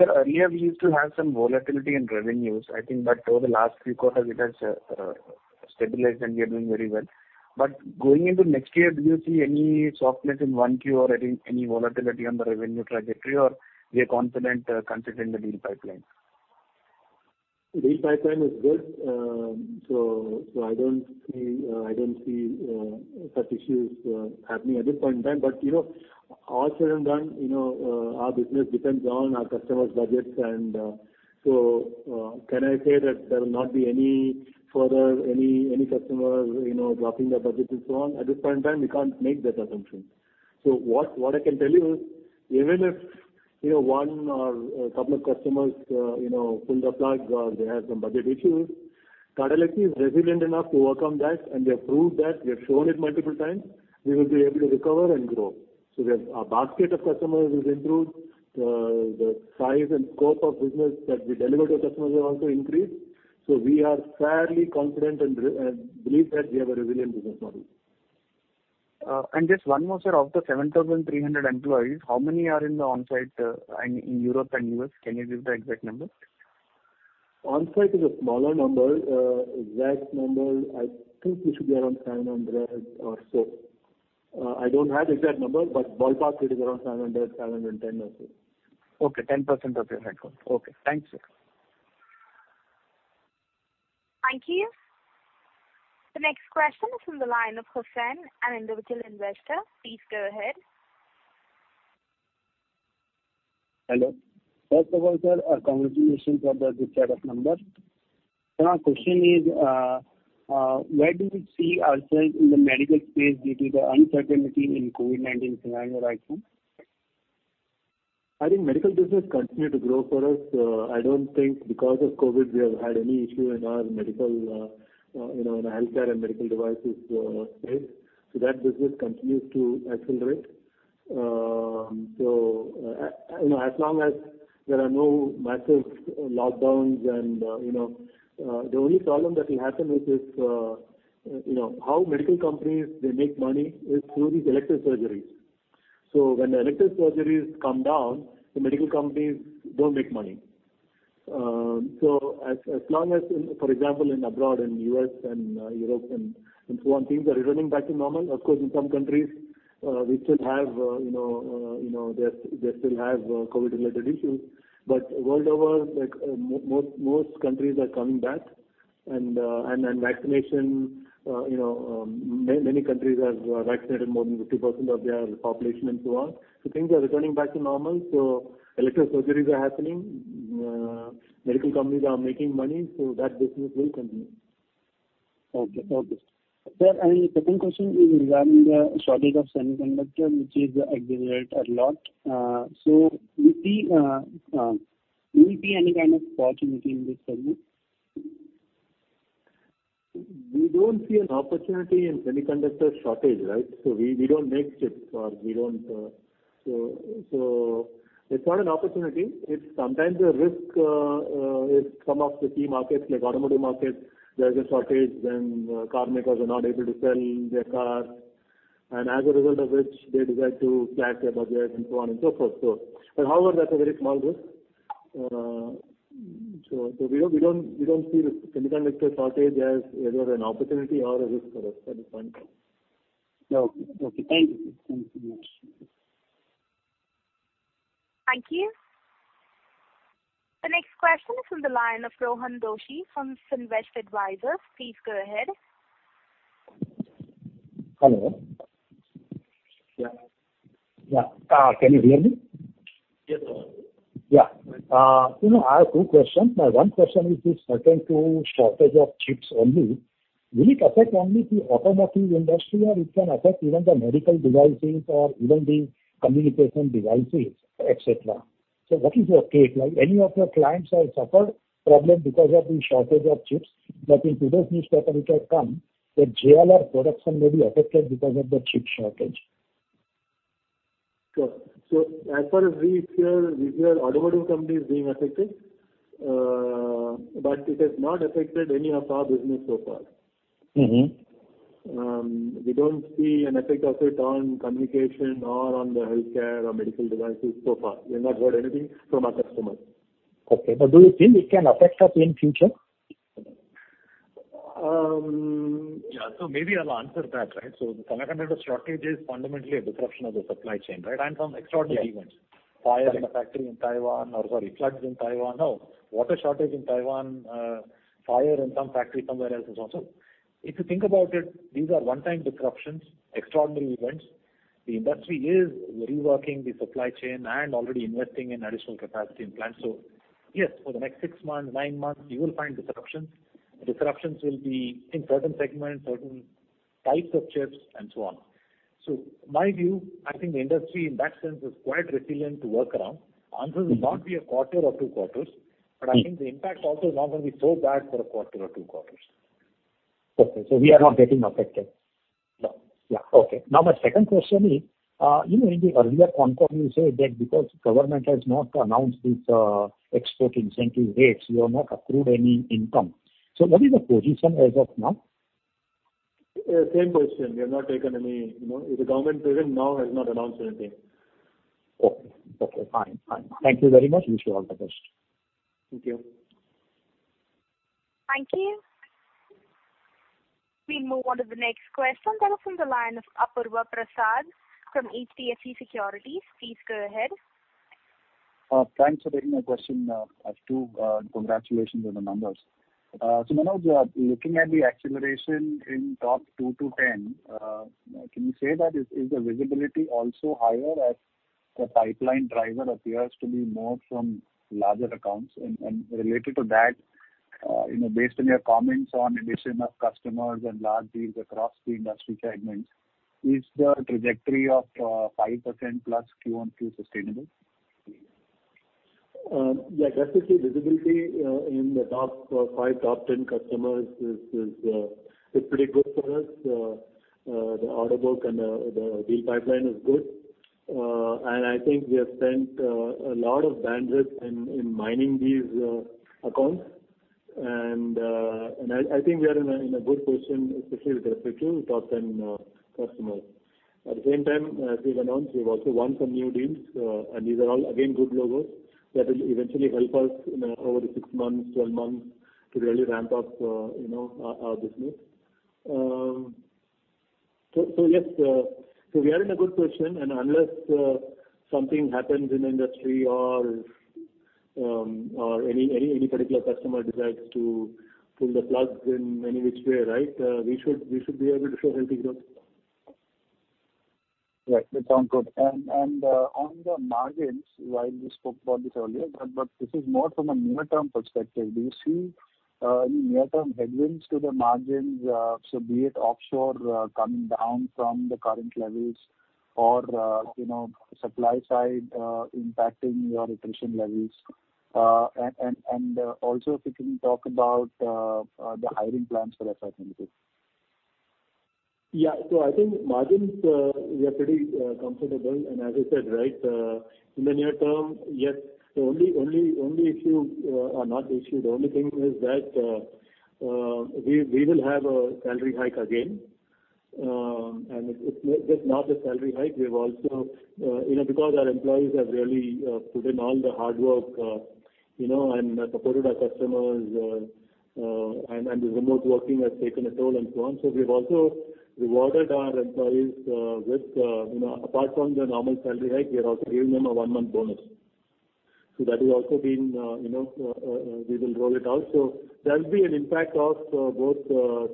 Sir, earlier we used to have some volatility in revenues. I think that over the last three quarters it has stabilized, and we are doing very well. Going into next year, do you see any softness in 1Q or any volatility on the revenue trajectory, or we are confident considering the deal pipeline? Deal pipeline is good. I don't see such issues happening at this point in time. All said and done, our business depends on our customers' budgets. Can I say that there will not be any further customers dropping their budget and so on? At this point in time, we can't make that assumption. What I can tell you is, even if one or a couple of customers pull the plug or they have some budget issues, Tata Elxsi is resilient enough to overcome that, and we have proved that. We have shown it multiple times. We will be able to recover and grow. Our basket of customers will improve. The size and scope of business that we deliver to our customers will also increase. We are fairly confident and believe that we have a resilient business model. Just one more, sir. Of the 7,300 employees, how many are in the onsite in Europe and U.S.? Can you give the exact number? Onsite is a smaller number. Exact number, I think it should be around 700 or so. I don't have exact number, but ballpark it is around 700, 710 or so. Okay. 10% of your headcount. Okay. Thanks, sir. Thank you. The next question is from the line of Hussain, an individual investor. Please go ahead. Hello. First of all, sir, congratulations on the good set of numbers. Sir, our question is, where do we see ourselves in the medical space due to the uncertainty in COVID-19 scenario right now? I think medical business continues to grow for us. I don't think because of COVID we have had any issue in our healthcare and medical devices space. That business continues to accelerate. As long as there are no massive lockdowns. The only problem that will happen is how medical companies, they make money is through these elective surgeries. When the elective surgeries come down, the medical companies don't make money. As long as, for example, abroad in U.S. and Europe and so on, things are returning back to normal. Of course, in some countries, they still have COVID-related issues. World over, most countries are coming back and vaccination, many countries have vaccinated more than 50% of their population and so on. Things are returning back to normal. Elective surgeries are happening. Medical companies are making money, so that business will continue. Okay. Sir, the second question is regarding the shortage of semiconductor which is accelerated a lot. Will there be any kind of opportunity in this segment? We don't see an opportunity in semiconductor shortage. We don't make chips or we don't. It's not an opportunity. It's sometimes a risk if some of the key markets, like automotive markets, there's a shortage, then car makers are not able to sell their cars. As a result of which, they decide to slash their budgets and so on and so forth. However, that's a very small risk. We don't see the semiconductor shortage as either an opportunity or a risk for us at this point. Okay. Thank you. Thank you very much. Thank you. The next question is from the line of Rohan Doshi from Finvest Advisor. Please go ahead. Hello. Yeah. Yeah. Can you hear me? Yes. Yeah. I have two questions. My one question is this, certain to shortage of chips only, will it affect only the automotive industry, or it can affect even the medical devices or even the communication devices, et cetera? What is your take? Like, any of your clients have suffered problem because of the shortage of chips? Like in today's newspaper, it has come that JLR production may be affected because of the chip shortage. Sure. As far as we hear, we hear automotive companies being affected, but it has not affected any of our business so far. We don't see an effect of it on communication or on the healthcare or medical devices so far. We've not heard anything from our customers. Okay. Do you think it can affect us in future? Yeah. Maybe I'll answer that, right? The semiconductor shortage is fundamentally a disruption of the supply chain, right? Some extraordinary events. Yeah. Fire in a factory in Taiwan or, sorry, floods in Taiwan. Water shortage in Taiwan, fire in some factory somewhere else is also. If you think about it, these are one-time disruptions, extraordinary events. The industry is reworking the supply chain and already investing in additional capacity in plants. Yes, for the next six months, nine months, you will find disruptions. Disruptions will be in certain segments, certain types of chips, and so on. My view, I think the industry in that sense is quite resilient to work around. Answers will not be a quarter or two quarters, but I think the impact also is not going to be so bad for a quarter or two quarters. Okay. We are not getting affected. No. Yeah. Okay. Now my second question is, in the earlier conference call you said that because government has not announced its export incentive rates, you have not accrued any income. What is the position as of now? Same position. We have not taken any. The government till now has not announced anything. Okay. Fine. Thank you very much. Wish you all the best. Thank you. Thank you. We move on to the next question. That is from the line of Apurva Prasad from HDFC Securities. Please go ahead. Thanks for taking my question. I have two. Congratulations on the numbers. Manoj, looking at the acceleration in top 2 to 10, can you say that is the visibility also higher as the pipeline driver appears to be more from larger accounts? Related to that, based on your comments on addition of customers and large deals across the industry segments, is the trajectory of 5%+ QoQ sustainable? Yeah. Especially visibility in the top five, top 10 customers is pretty good for us. The order book and the deal pipeline is good. I think we have spent a lot of bandwidth in mining these accounts. I think we are in a good position, especially with respect to top 10 customers. At the same time, as we've announced, we've also won some new deals, and these are all again, good logos that will eventually help us in over the six months, 12 months to really ramp up our business. Yes, we are in a good position, and unless something happens in industry or any particular customer decides to pull the plug in any which way, we should be able to show healthy growth. Right. That sounds good. On the margins, while we spoke about this earlier, but this is more from a near-term perspective, do you see any near-term headwinds to the margins, so be it offshore coming down from the current levels or supply side impacting your attrition levels? Also if you can talk about the hiring plans for the fiscal year. I think margins, we are pretty comfortable. As I said, in the near term, yes, the only issue or not issue, the only thing is that we will have a salary hike again. It's not just salary hike, because our employees have really put in all the hard work and supported our customers, and the remote working has taken a toll and so on. We've also rewarded our employees with, apart from the normal salary hike, we have also given them a one-month bonus. That has also been, we will roll it out. There'll be an impact of both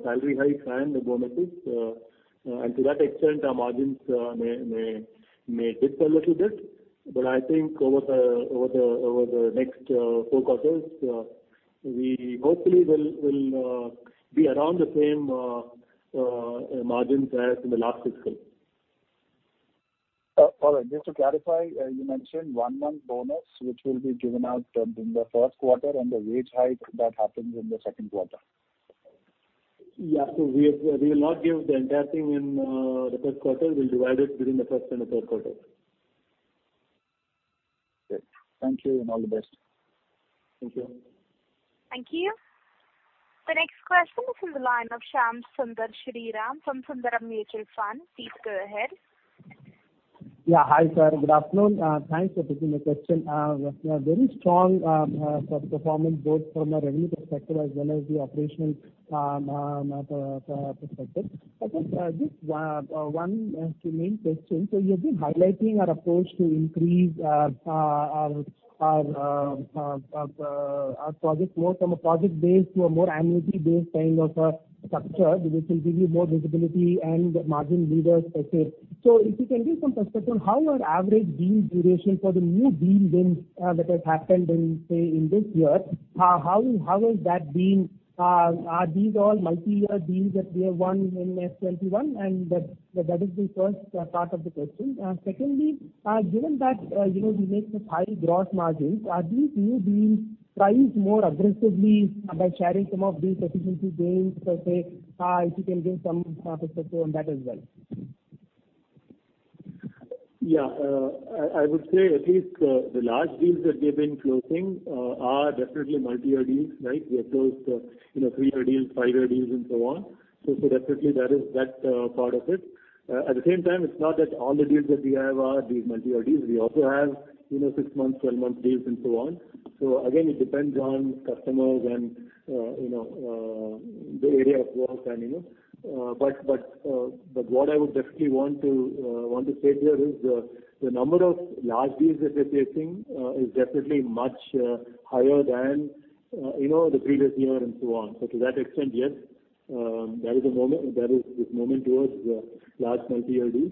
salary hike and the bonuses. To that extent, our margins may dip a little bit. I think over the next four quarters, we hopefully will be around the same margins as in the last fiscal. All right. Just to clarify, you mentioned one-month bonus, which will be given out in the first quarter and the wage hike that happens in the second quarter. Yeah. We will not give the entire thing in the first quarter. We'll divide it between the first and the third quarter. Great. Thank you, and all the best. Thank you. Thank you. The next question is from the line of Shyam Sundar Sriram from Sundaram Mutual Fund. Please go ahead. Yeah. Hi, sir. Good afternoon. Thanks for taking the question. Very strong performance, both from a revenue perspective as well as the operational perspective. I think just one main question. You've been highlighting our approach to increase our project more from a project base to a more annuity based kind of a structure, which will give you more visibility and margin levers, let's say. If you can give some perspective on how your average deal duration for the new deal wins that has happened in, say, in this year. How has that been? Are these all multi-year deals that we have won in FY 2021? That is the first part of the question. Secondly, given that we make such high gross margins, are these new deals priced more aggressively by sharing some of these efficiency gains, let's say? If you can give some perspective on that as well. Yeah. I would say at least the large deals that we have been closing are definitely multi-year deals. We have closed three-year deals, five-year deals, and so on. Definitely, that's part of it. At the same time, it's not that all the deals that we have are these multi-year deals. We also have six months, 12 months deals, and so on. Again, it depends on customers and the area of work. What I would definitely want to say here is the number of large deals that we are chasing is definitely much higher than the previous year, and so on. To that extent, yes, there is this movement towards large multi-year deals.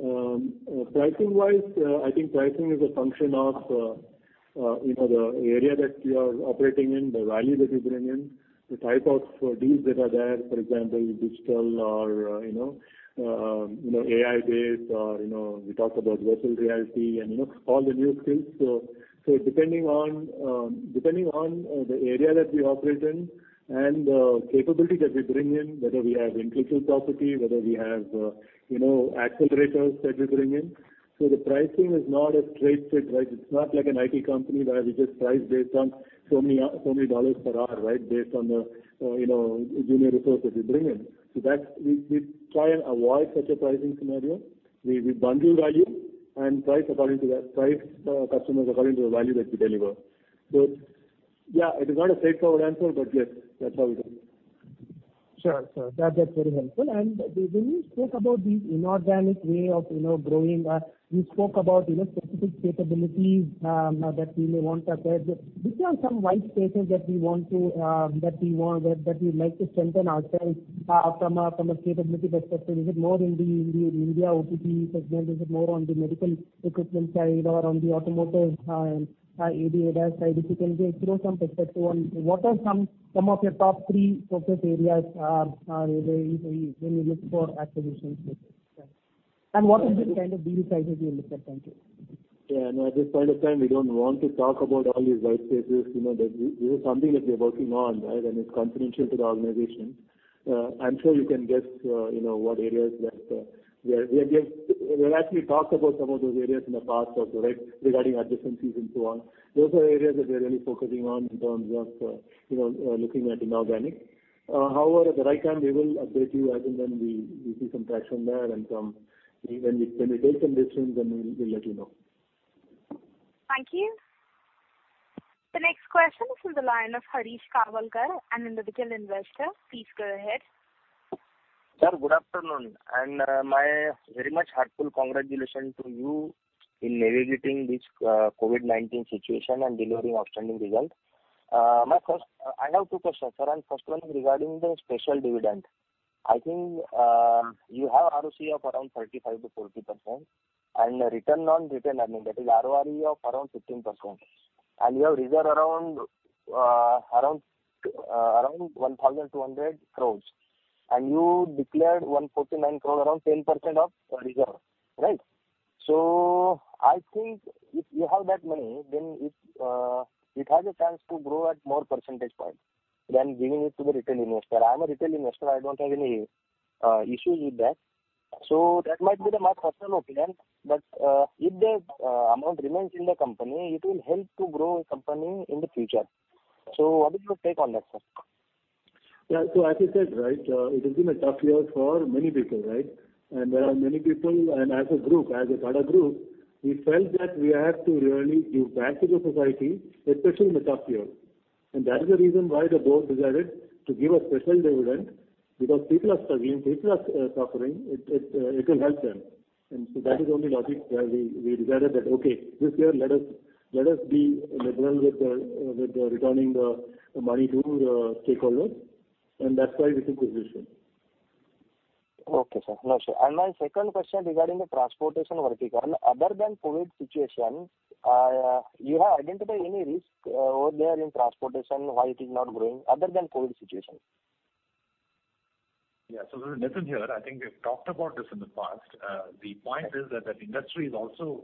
Pricing wise, I think pricing is a function of the area that you are operating in, the value that you bring in, the type of deals that are there. For example, digital or AI-based, or we talked about virtual reality and all the new skills. Depending on the area that we operate in and the capability that we bring in, whether we have intellectual property, whether we have accelerators that we bring in. The pricing is not a straight fit. It's not like an IT company where we just price based on so many dollars per hour. Based on the junior resources we bring in. That we try and avoid such a pricing scenario. We bundle value and price customers according to the value that we deliver. Yeah, it is not a straightforward answer, but yes, that's how we do it. Sure. That's very helpful. When you spoke about the inorganic way of growing, you spoke about specific capabilities that we may want to acquire. Which are some white spaces that we would like to strengthen ourselves from a capability perspective? Is it more in the India OTT segment? Is it more on the medical equipment side or on the automotive ADAS side? If you can give some perspective on what are some of your top three focus areas when you look for acquisition purposes. What is the kind of deal sizes you look at? Thank you. Yeah. No, at this point of time, we don't want to talk about all these white spaces. This is something that we're working on, and it's confidential to the organization. I'm sure you can guess. We've actually talked about some of those areas in the past also regarding adjacencies and so on. Those are areas that we are really focusing on in terms of looking at inorganic. At the right time, we will update you as and when we see some traction there and when we take some decisions, then we'll let you know. Thank you. The next question is from the line of Harish Kawalkar, an individual investor. Please go ahead. Sir, good afternoon. My very much heartfelt congratulations to you in navigating this COVID-19 situation and delivering outstanding results. I have two questions, sir. First one is regarding the special dividend. I think you have ROC of around 35%-40% and return on return, that is ROE of around 15%. You have reserve around 1,200 crores. You declared 149 crore, around 10% of reserve. I think if you have that money, then it has a chance to grow at more percentage point than giving it to the retail investor. I'm a retail investor. I don't have any issues with that. That might be my personal opinion. If the amount remains in the company, it will help to grow company in the future. What is your take on that, sir? Yeah. As you said, it has been a tough year for many people. There are many people, and as a group, as a Tata Group, we felt that we have to really give back to the society, especially in a tough year. That is the reason why the board decided to give a special dividend because people are struggling, people are suffering. It will help them. That is the only logic where we decided that, okay, this year, let us be liberal with returning the money to stakeholders, and that's why we took this decision. Okay, sir. Sure. My second question regarding the transportation vertical. Other than COVID situation, you have identified any risk over there in transportation why it is not growing other than COVID situation? Yeah. There's a lesson here. I think we've talked about this in the past. The point is that the industry is also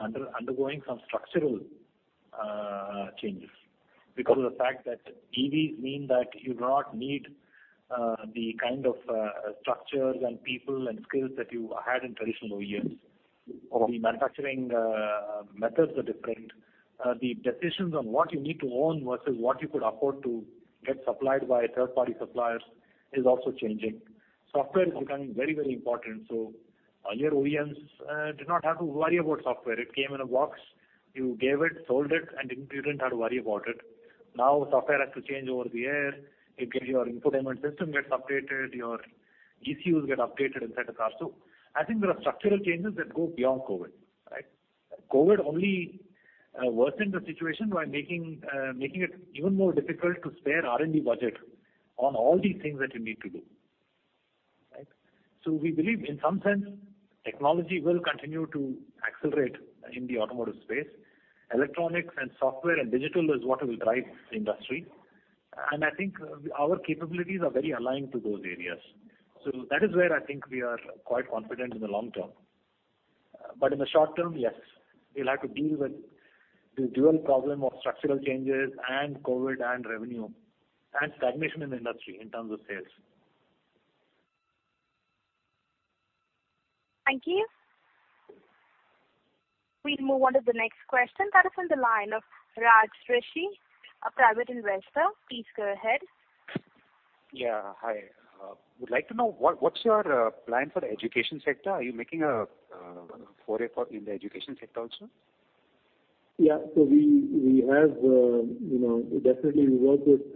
undergoing some structural changes because of the fact that EVs mean that you do not need the kind of structures and people and skills that you had in traditional OEMs. The manufacturing methods are different. The decisions on what you need to own versus what you could afford to get supplied by third-party suppliers is also changing. Software is becoming very important. Earlier, OEMs did not have to worry about software. It came in a box, you gave it, sold it, and you didn't have to worry about it. Now, software has to change over the air. You get your infotainment system gets updated, your ECUs get updated inside the car. I think there are structural changes that go beyond COVID, right? COVID only worsened the situation by making it even more difficult to spare R&D budget on all these things that you need to do. Right? We believe in some sense, technology will continue to accelerate in the automotive space. Electronics and software and digital is what will drive the industry. I think our capabilities are very aligned to those areas. That is where I think we are quite confident in the long term. In the short term, yes, we'll have to deal with the dual problem of structural changes and COVID and revenue, and stagnation in the industry in terms of sales. Thank you. We'll move on to the next question. That is on the line of Raj Rishi, a private investor. Please go ahead. Yeah, hi. Would like to know what's your plan for the education sector. Are you making a foray in the education sector also? Yeah. Definitely we work with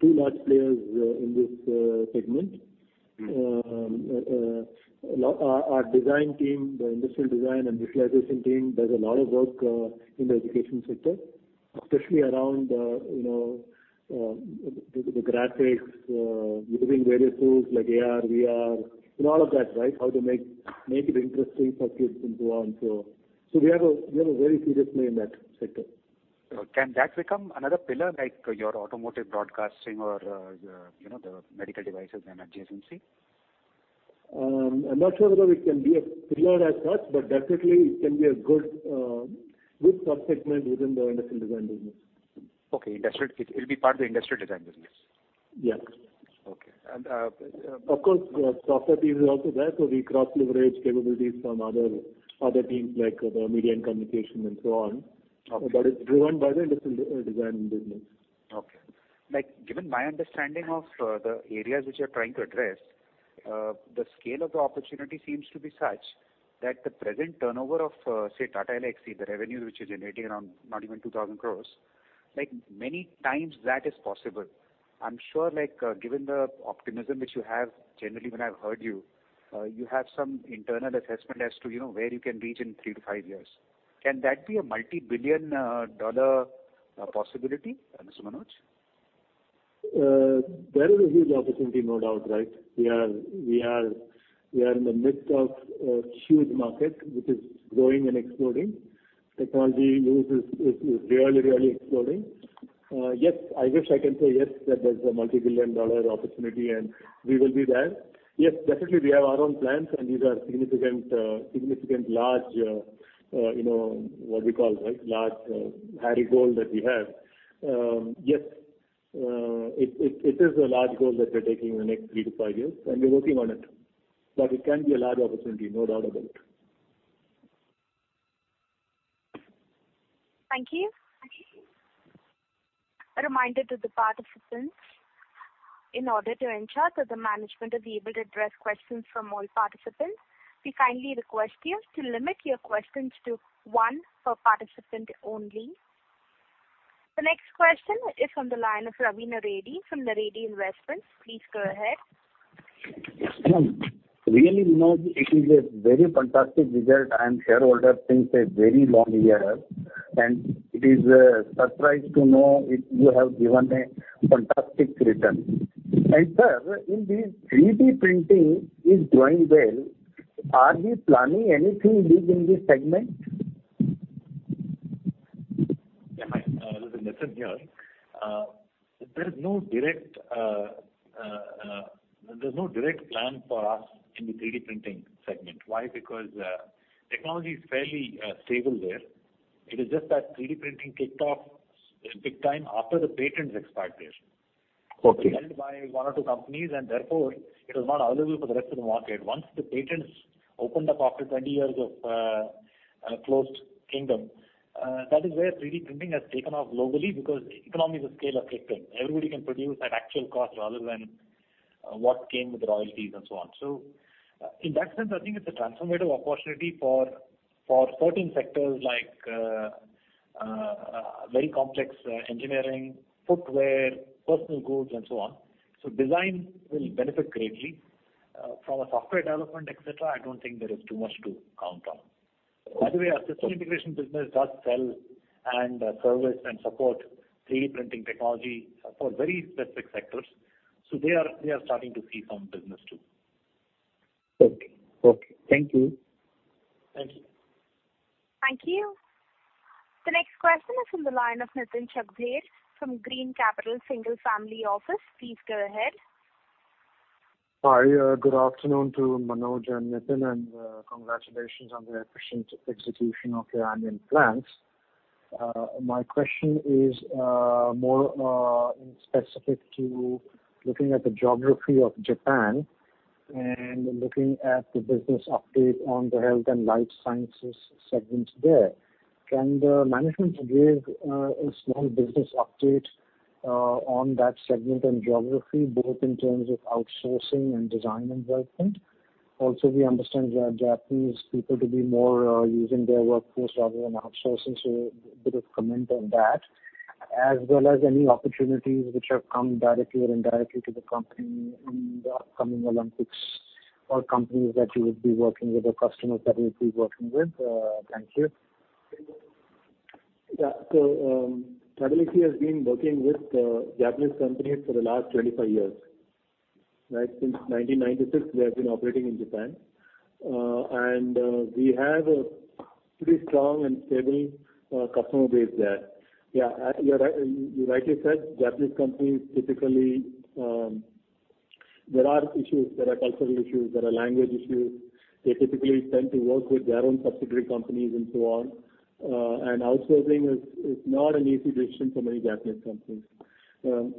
two large players in this segment. Our design team, the industrial design and visualization team, does a lot of work in the education sector, especially around the graphics, using various tools like AR, VR, and all of that, right? How to make it interesting for kids and so on. We have a very serious play in that sector. Can that become another pillar, like your automotive broadcasting or the medical devices and adjacency? I'm not sure whether it can be a pillar as such, but definitely it can be a good sub-segment within the industrial design business. Okay. It'll be part of the industrial design business. Yes. Okay. Of course, software team is also there, so we cross-leverage capabilities from other teams like the media and communication and so on. Okay. It's driven by the industrial design business. Okay. Given my understanding of the areas which you are trying to address, the scale of the opportunity seems to be such that the present turnover of, say, Tata Elxsi, the revenue which you are generating around not even 2,000 crores, many times that is possible. I am sure given the optimism which you have, generally when I have heard you have some internal assessment as to where you can reach in three to five years. Can that be a multi-billion dollar possibility, Mr. Manoj? There is a huge opportunity, no doubt, right? We are in the midst of a huge market which is growing and exploding. Technology use is really exploding. Yes, I guess I can say yes, that there's a multi-billion dollar opportunity and we will be there. Yes, definitely we have our own plans and these are significant large, what we call, right, large, hairy goal that we have. Yes, it is a large goal that we're taking in the next three to five years, and we're working on it. It can be a large opportunity, no doubt about it. Thank you. A reminder to the participants. In order to ensure that the management will be able to address questions from all participants, we kindly request you to limit your questions to one per participant only. The next question is from the line of Ravi Naredi from Naredi Investments. Please go ahead. Really, Manoj, it is a very fantastic result. I am shareholder since a very long year, and it is a surprise to know you have given a fantastic return. Sir, in this 3D printing is doing well. Are we planning anything big in this segment? Yeah. This is Nitin here. There's no direct plan for us in the 3D printing segment. Why? Technology is fairly stable there. It is just that 3D printing kicked off big time after the patent's expiration. Okay. Held by one or two companies. Therefore, it was not available for the rest of the market. Once the patents opened up after 20 years of a closed kingdom, that is where 3D printing has taken off globally because economies of scale have kicked in. Everybody can produce at actual cost rather than what came with royalties and so on. In that sense, I think it's a transformative opportunity for certain sectors like very complex engineering, footwear, personal goods and so on. Design will benefit greatly. From a software development etc., I don't think there is too much to count on. By the way, our system integration business does sell and service and support 3D printing technology for very specific sectors. They are starting to see some business there. Okay. Thank you. Thank you. Thank you. The next question is from the line of Nitin Shakdher from Green Capital Single Family Office. Please go ahead. Hi. Good afternoon to Manoj and Nitin, and congratulations on the efficient execution of your annual plans. My question is more specific to looking at the geography of Japan and looking at the business update on the health and life sciences segments there. Can the management give a small business update on that segment and geography, both in terms of outsourcing and design and development? We understand Japanese people to be more using their workforce rather than outsourcing, so a bit of comment on that. Any opportunities which have come directly or indirectly to the company in the upcoming Olympics or companies that you would be working with or customers that you would be working with. Thank you. Yeah. Tata Elxsi has been working with Japanese companies for the last 25 years. Since 1996, we have been operating in Japan. We have a pretty strong and stable customer base there. Yeah, you rightly said, Japanese companies, typically, there are issues. There are cultural issues. There are language issues. They typically tend to work with their own subsidiary companies and so on. Outsourcing is not an easy decision for many Japanese companies.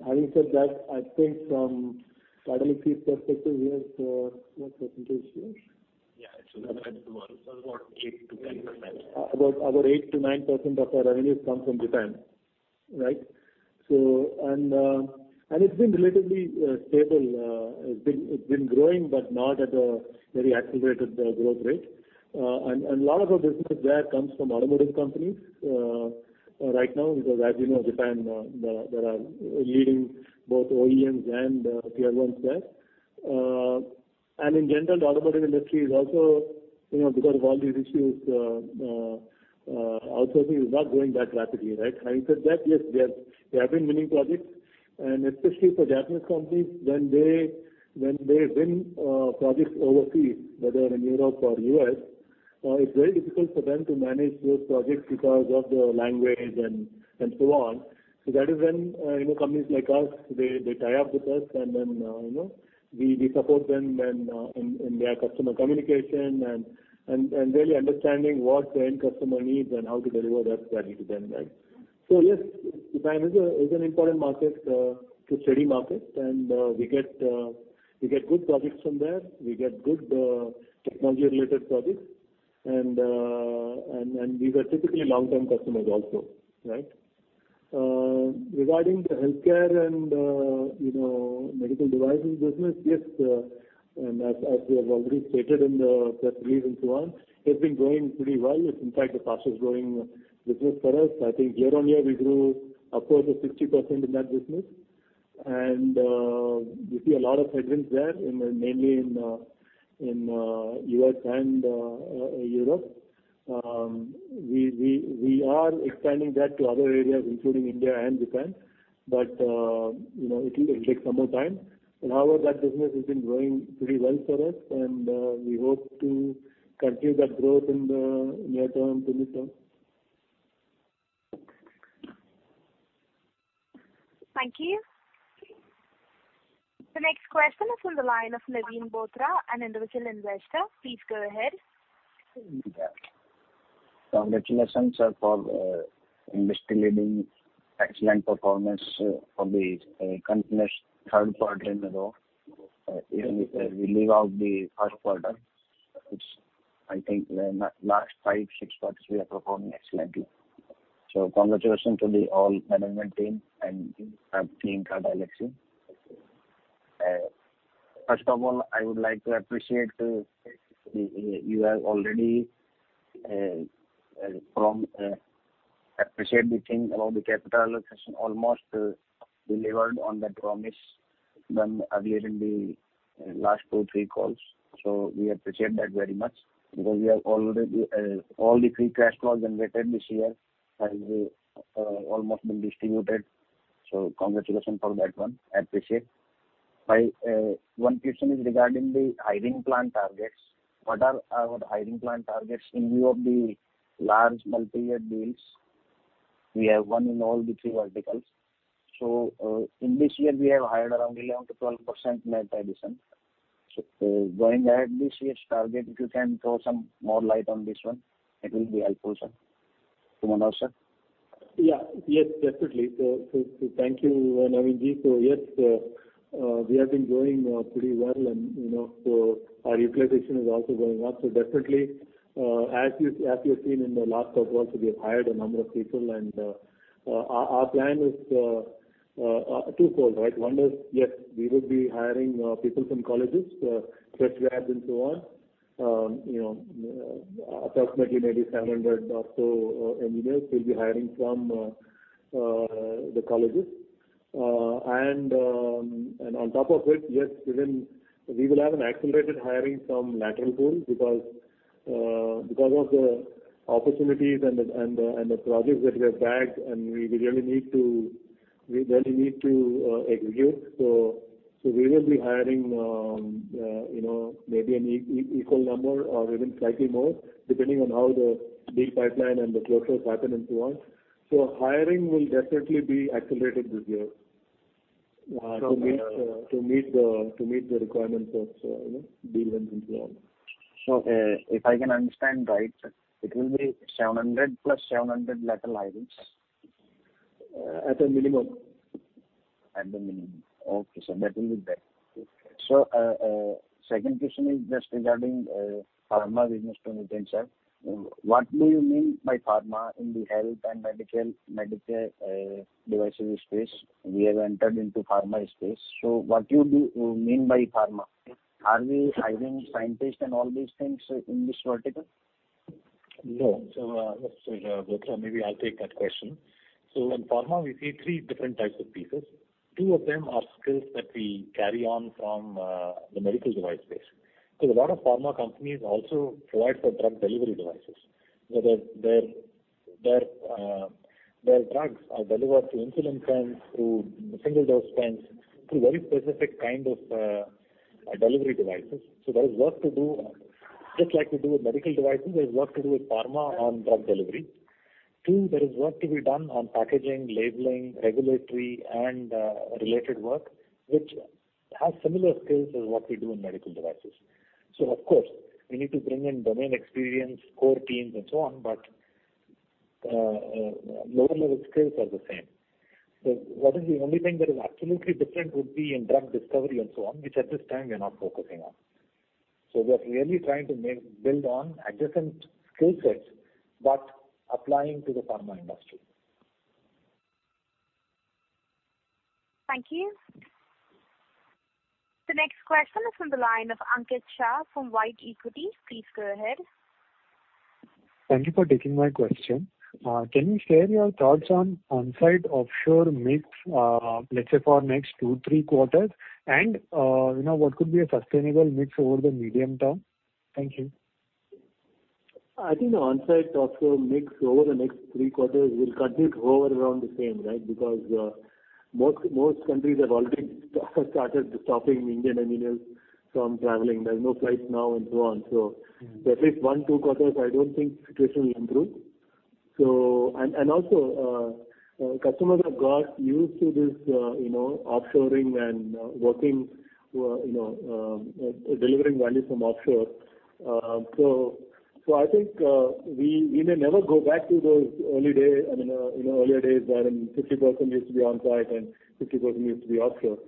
Having said that, I think from Tata Elxsi perspective, we have What percentage, Nitin? Yeah. It's around 8%-10%. About 8%-9% of our revenues come from Japan. It's been relatively stable. It's been growing, but not at a very accelerated growth rate. A lot of our businesses there comes from automotive companies right now because, as you know, Japan, there are leading both OEMs and tier one there. In general, the automotive industry is also, because of all these issues, outsourcing is not growing that rapidly. Having said that, yes, we have been winning projects, and especially for Japanese companies, when they win projects overseas, whether in Europe or U.S., it's very difficult for them to manage those projects because of the language and so on. That is when companies like us, they tie up with us and then, we support them in their customer communication and really understanding what the end customer needs and how to deliver that value to them. Yes, Japan is an important market, a steady market, and we get good projects from there. We get good technology-related projects. These are typically long-term customers also. Regarding the healthcare and medical devices business, yes, and as we have already stated in the press release and so on, it's been growing pretty well. It's in fact the fastest growing business for us. I think year-on-year, we grew upwards of 60% in that business. We see a lot of headwinds there, mainly in U.S. and Europe. We are expanding that to other areas, including India and Japan. It will take some more time. However, that business has been growing pretty well for us, and we hope to continue that growth in the near-term to mid-term. Thank you. The next question is on the line of Naveen Bothra, an individual investor. Please go ahead. Congratulations for industry-leading excellent performance for the continuous third quarter in a row. If we leave out the first quarter, which I think the last five, six quarters, we are performing excellently. Congratulations to the all management team and team Tata Elxsi. First of all, I would like to appreciate you have already appreciate the thing about the capital allocation almost delivered on that promise done earlier in the last two, three calls. We appreciate that very much because all the free cash flow generated this year has almost been distributed. Congratulations for that one. Appreciate. One question is regarding the hiring plan targets. What are our hiring plan targets in view of the large multi-year deals we have won in all the three verticals? In this year, we have hired around 11%-12% net addition. Going ahead, this year's target, if you can throw some more light on this one, it will be helpful, sir. To Manoj, sir. Yes, definitely. Thank you, Naveen. Yes, we have been growing pretty well, and our utilization is also going up. Definitely, as you have seen in the last 12 months, we have hired a number of people, and our plan is twofold. One is, yes, we would be hiring people from colleges, fresh grads and so on. Approximately maybe 700 or so engineers we'll be hiring from the colleges. On top of it, yes, even we will have an accelerated hiring from lateral pool because of the opportunities and the projects that we have bagged, and we really need to execute. We will be hiring maybe an equal number or even slightly more, depending on how the deal pipeline and the closures happen and so on. Hiring will definitely be accelerated this year to meet the requirements of deals and so on. If I can understand right, sir, it will be 700 plus 700 lateral hirings. At a minimum. At the minimum. Okay, sir. That will be better. Okay. Second question is just regarding pharma business unit, sir. What do you mean by pharma in the health and medical devices space? We have entered into pharma space, so what do you mean by pharma? Are we hiring scientists and all these things in this vertical? No. Let's see, Bothra, maybe I'll take that question. In pharma, we see three different types of pieces. Two of them are skills that we carry on from the medical device space. Because a lot of pharma companies also provide for drug delivery devices. Their drugs are delivered through insulin pens, through single-dose pens, through very specific kind of delivery devices. Just like we do with medical devices, there's work to do with pharma on drug delivery. Two, there is work to be done on packaging, labeling, regulatory, and related work, which has similar skills as what we do in medical devices. Of course, we need to bring in domain experience, core teams, and so on, but lower-level skills are the same. What is the only thing that is absolutely different would be in drug discovery and so on, which at this time we are not focusing on. We are really trying to build on adjacent skill sets, but applying to the pharma industry. Thank you. The next question is from the line of Ankit Shah from White Equity. Please go ahead. Thank you for taking my question. Can you share your thoughts on onsite-offshore mix, let's say for next two, three quarters? What could be a sustainable mix over the medium term? Thank you. I think the onsite-offshore mix over the next three quarters will continue to hover around the same, because most countries have already started stopping Indian engineers from traveling. There's no flights now and so on. For at least one, two quarters, I don't think the situation will improve. Also, customers have got used to this offshoring and delivering value from offshore. I think we may never go back to those earlier days, wherein 50% used to be on-site and 50% used to be offshore.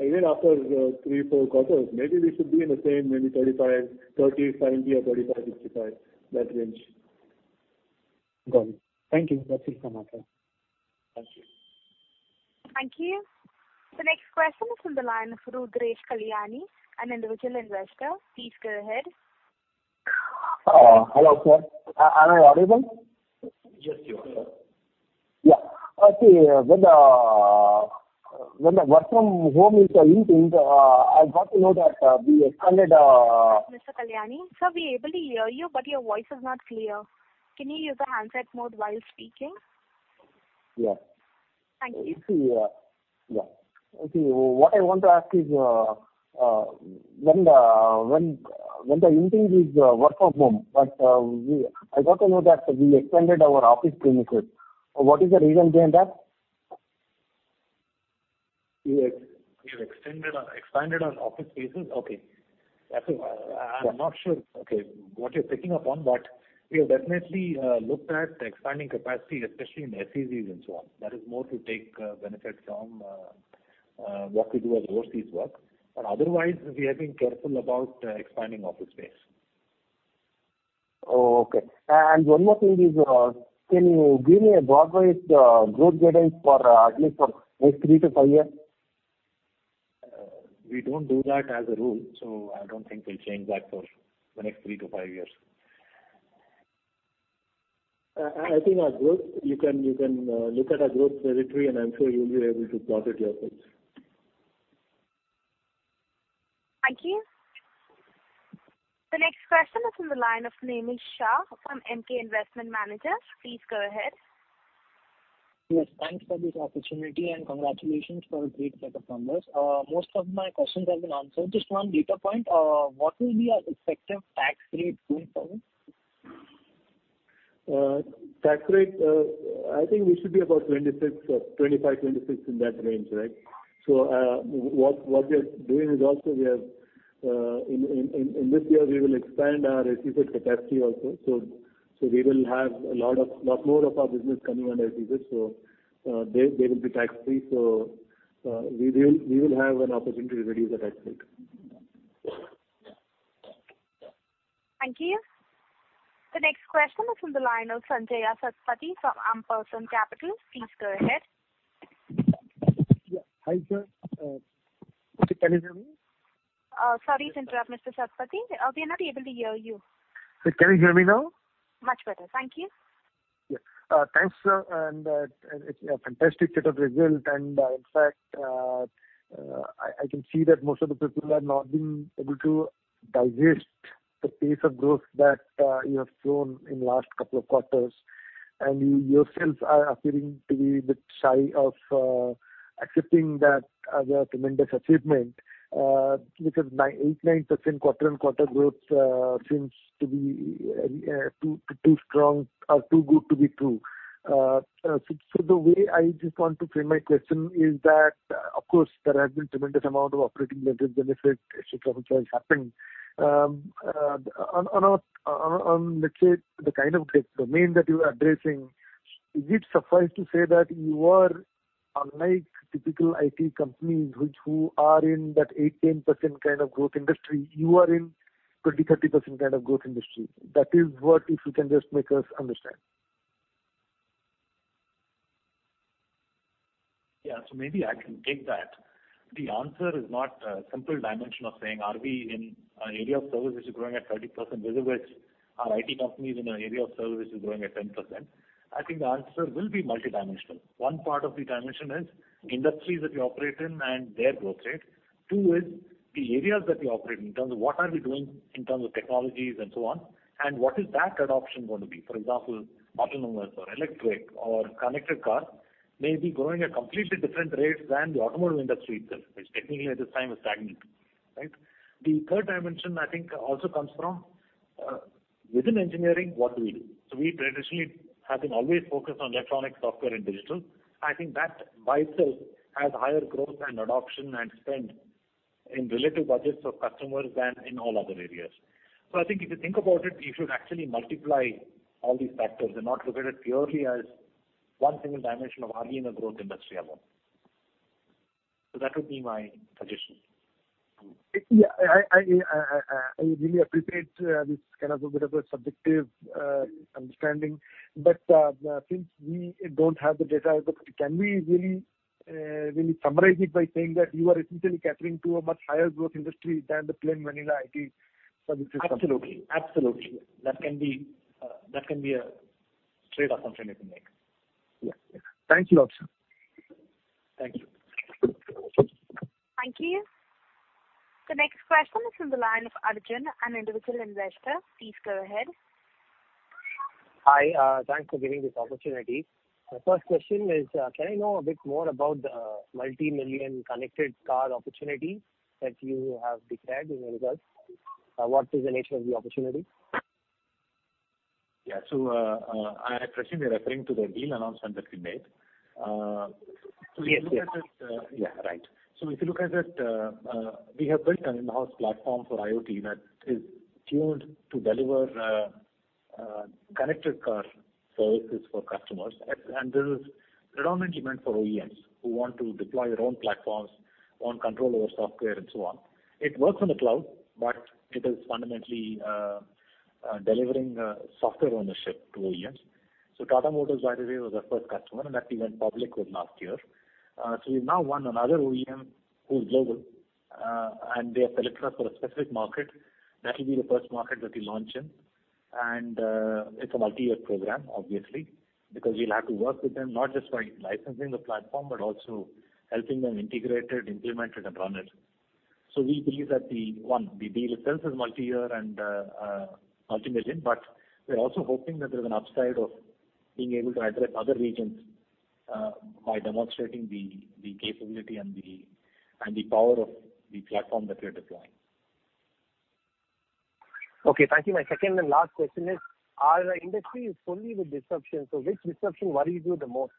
Even after three, four quarters, maybe we should be in the same, maybe 30%-35% or 35%-65%, that range. Got it. Thank you. That is it from my side. Thank you. Thank you. The next question is from the line of Rudresh Kalyani, an individual investor. Please go ahead. Hello, sir. Am I audible? Yes, you are. Yeah. Okay. When the work from home is ending, I got to know that we expanded. Mr. Kalyani, sir, we are able to hear you, but your voice is not clear. Can you use the handset mode while speaking? Yeah. Thank you. Yeah. Okay. What I want to ask is, when the ending is work from home. I got to know that we expanded our office premises. What is the reason behind that? We have expanded on office spaces? Okay. I'm not sure what you're picking up on, we have definitely looked at expanding capacity, especially in the SEZs and so on. That is more to take benefit from what we do as overseas work. Otherwise, we have been careful about expanding office space. Okay. One more thing is, can you give me a broad-based growth guidance at least for next three to five years? We don't do that as a rule, so I don't think we'll change that for the next three to five years. I think you can look at our growth trajectory, and I'm sure you'll be able to plot it yourself. Thank you. The next question is from the line of Nemish Shah from Emkay Investment Managers. Please go ahead. Yes, thanks for this opportunity. Congratulations for a great set of numbers. Most of my questions have been answered. Just one data point. What will be our effective tax rate going forward? Tax rate, I think we should be about 25%, 26%, in that range. What we are doing is also, in this year, we will expand our SEZ capacity also. We will have a lot more of our business coming under SEZ. They will be tax-free. We will have an opportunity to reduce the tax rate. Thank you. The next question is from the line of Sanjaya Satapathy from Ampersand Capital. Please go ahead. Yeah. Hi, sir. Can you hear me? Sorry to interrupt, Mr. Satapathy. We are not able to hear you. Sir, can you hear me now? Much better. Thank you. Yeah. Thanks, sir. It's a fantastic set of results. In fact, I can see that most of the people have not been able to digest the pace of growth that you have shown in last couple of quarters, you yourself are appearing to be a bit shy of accepting that as a tremendous achievement. 8%-9% quarter on quarter growth seems to be too strong or too good to be true. The way I just want to frame my question is that, of course, there has been tremendous amount of operating leverage benefit, et cetera, which has happened. On, let's say, the kind of domain that you are addressing, is it suffice to say that you are unlike typical IT companies who are in that 8%-10% kind of growth industry, you are in 20%-30% kind of growth industry? That is what if you can just make us understand. Yeah. Maybe I can take that. The answer is not a simple dimension of saying, are we in an area of service which is growing at 30% vis-a-vis are IT companies in an area of service which is growing at 10%? I think the answer will be multidimensional. One part of the dimension is industries that we operate in and their growth rate. Two is the areas that we operate in terms of what are we doing in terms of technologies and so on, and what is that adoption going to be? For example, autonomous or electric or connected car may be growing at completely different rates than the automobile industry itself, which technically at this time is stagnant. Right. The third dimension, I think, also comes from within engineering, what do we do? We traditionally have been always focused on electronics, software, and digital. I think that by itself has higher growth and adoption and spend in relative budgets of customers than in all other areas. I think if you think about it, you should actually multiply all these factors and not look at it purely as one single dimension of, are we in a growth industry or not? That would be my suggestion. Yeah. I really appreciate this kind of a bit of a subjective understanding. Since we don't have the data, can we really summarize it by saying that you are essentially catering to a much higher growth industry than the plain vanilla IT services company? Absolutely. That can be a trade-off assumption you can make. Yeah. Thank you, sir. Thank you. Thank you. The next question is from the line of Arjun, an individual investor. Please go ahead. Hi, thanks for giving this opportunity. First question is, can I know a bit more about the multimillion connected car opportunity that you have declared in your results? What is the nature of the opportunity? Yeah. I presume you're referring to the deal announcement that we made. Yes. Yeah, right. If you look at it, we have built an in-house platform for IoT that is tuned to deliver connected car services for customers. This is predominantly meant for OEMs who want to deploy their own platforms, want control over software and so on. It works on the cloud, but it is fundamentally delivering software ownership to OEMs. Tata Motors, by the way, was our first customer, and that we went public with last year. We've now won another OEM who's global, and they have selected us for a specific market. That'll be the first market that we launch in. It's a multi-year program, obviously. Because we'll have to work with them not just by licensing the platform, but also helping them integrate it, implement it, and run it. We believe that, one, the deal itself is multi-year and multi-million, but we're also hoping that there's an upside of being able to address other regions by demonstrating the capability and the power of the platform that we're deploying. Okay, thank you. My second and last question is, our industry is full of disruption. Which disruption worries you the most?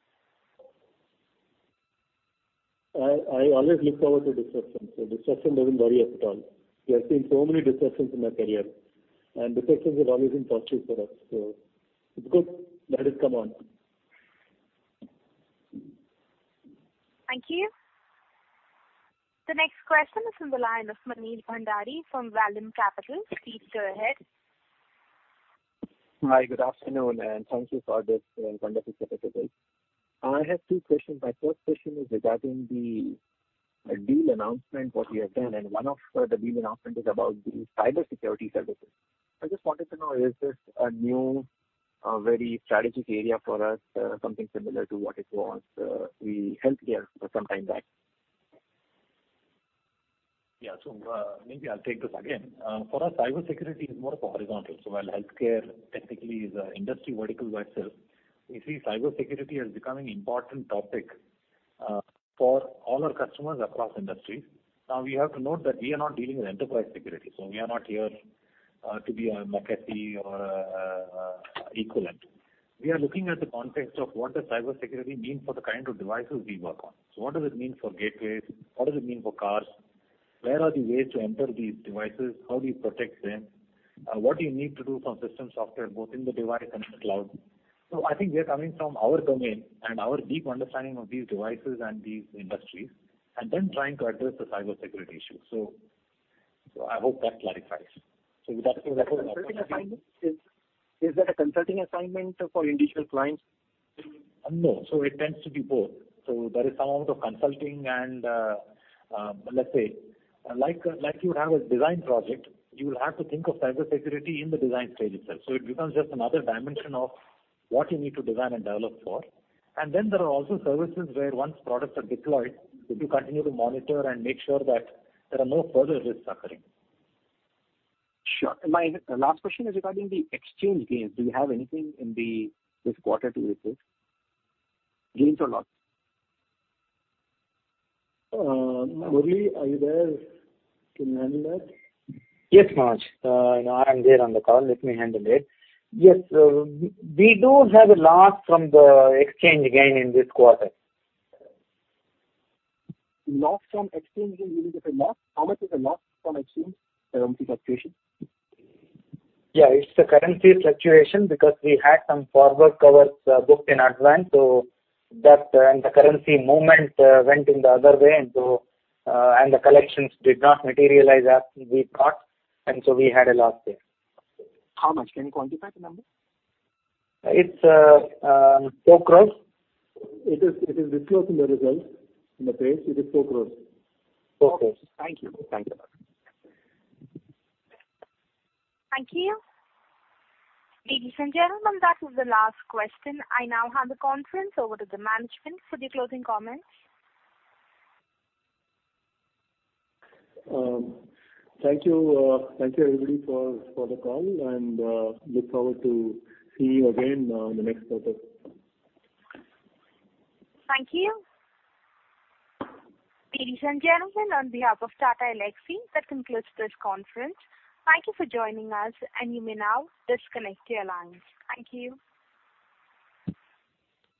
I always look forward to disruption. Disruption doesn't worry us at all. We have seen so many disruptions in my career, and disruptions have always been positive for us, so it's good. Let it come on. Thank you. The next question is from the line of Munil Bhandari from Valin Capital. Please go ahead. Hi, good afternoon and thank you for this wonderful set of results. I have two questions. My first question is regarding the deal announcement, what you have done, and one of the deal announcement is about the cybersecurity services. I just wanted to know, is this a new, very strategic area for us, something similar to what it was the healthcare some time back? Yeah. Maybe I'll take this again. For us, cybersecurity is more of a horizontal. While healthcare technically is an industry vertical by itself, we see cybersecurity as becoming important topic for all our customers across industries. Now we have to note that we are not dealing with enterprise security. We are not here to be a McAfee or equivalent. We are looking at the context of what does cybersecurity mean for the kind of devices we work on. What does it mean for gateways? What does it mean for cars? Where are the ways to enter these devices? How do you protect them? What do you need to do from system software, both in the device and in the cloud? I think we are coming from our domain and our deep understanding of these devices and these industries, and then trying to address the cybersecurity issue. I hope that clarifies. Is that a consulting assignment for individual clients? No. It tends to be both. There is some amount of consulting and, let's say, like you would have a design project, you will have to think of cybersecurity in the design stage itself. It becomes just another dimension of what you need to design and develop for. Then there are also services where once products are deployed, that you continue to monitor and make sure that there are no further risks occurring. Sure. My last question is regarding the exchange gains. Do you have anything in this quarter to report? Gains or loss? Murali, are you there to handle that? Yes, Manoj. I am there on the call. Let me handle it. Yes. We do have a loss from the exchange gain in this quarter. Loss from exchange gain means it's a loss. How much is the loss from exchange currency fluctuation? Yeah. It's the currency fluctuation because we had some forward covers booked in advance, so that and the currency movement went in the other way, and the collections did not materialize as we thought, and so we had a loss there. How much? Can you quantify the number? It's INR 4 crores. It is disclosed in the results, in the page. It is INR 4 crores. INR 4 crores. Okay. Thank you. Thank you. Thank you. Ladies and gentlemen, that is the last question. I now hand the conference over to the management for the closing comments. Thank you, everybody, for the call, and look forward to seeing you again on the next quarter. Thank you. Ladies and gentlemen, on behalf of Tata Elxsi, that concludes this conference. Thank you for joining us, and you may now disconnect your lines. Thank you.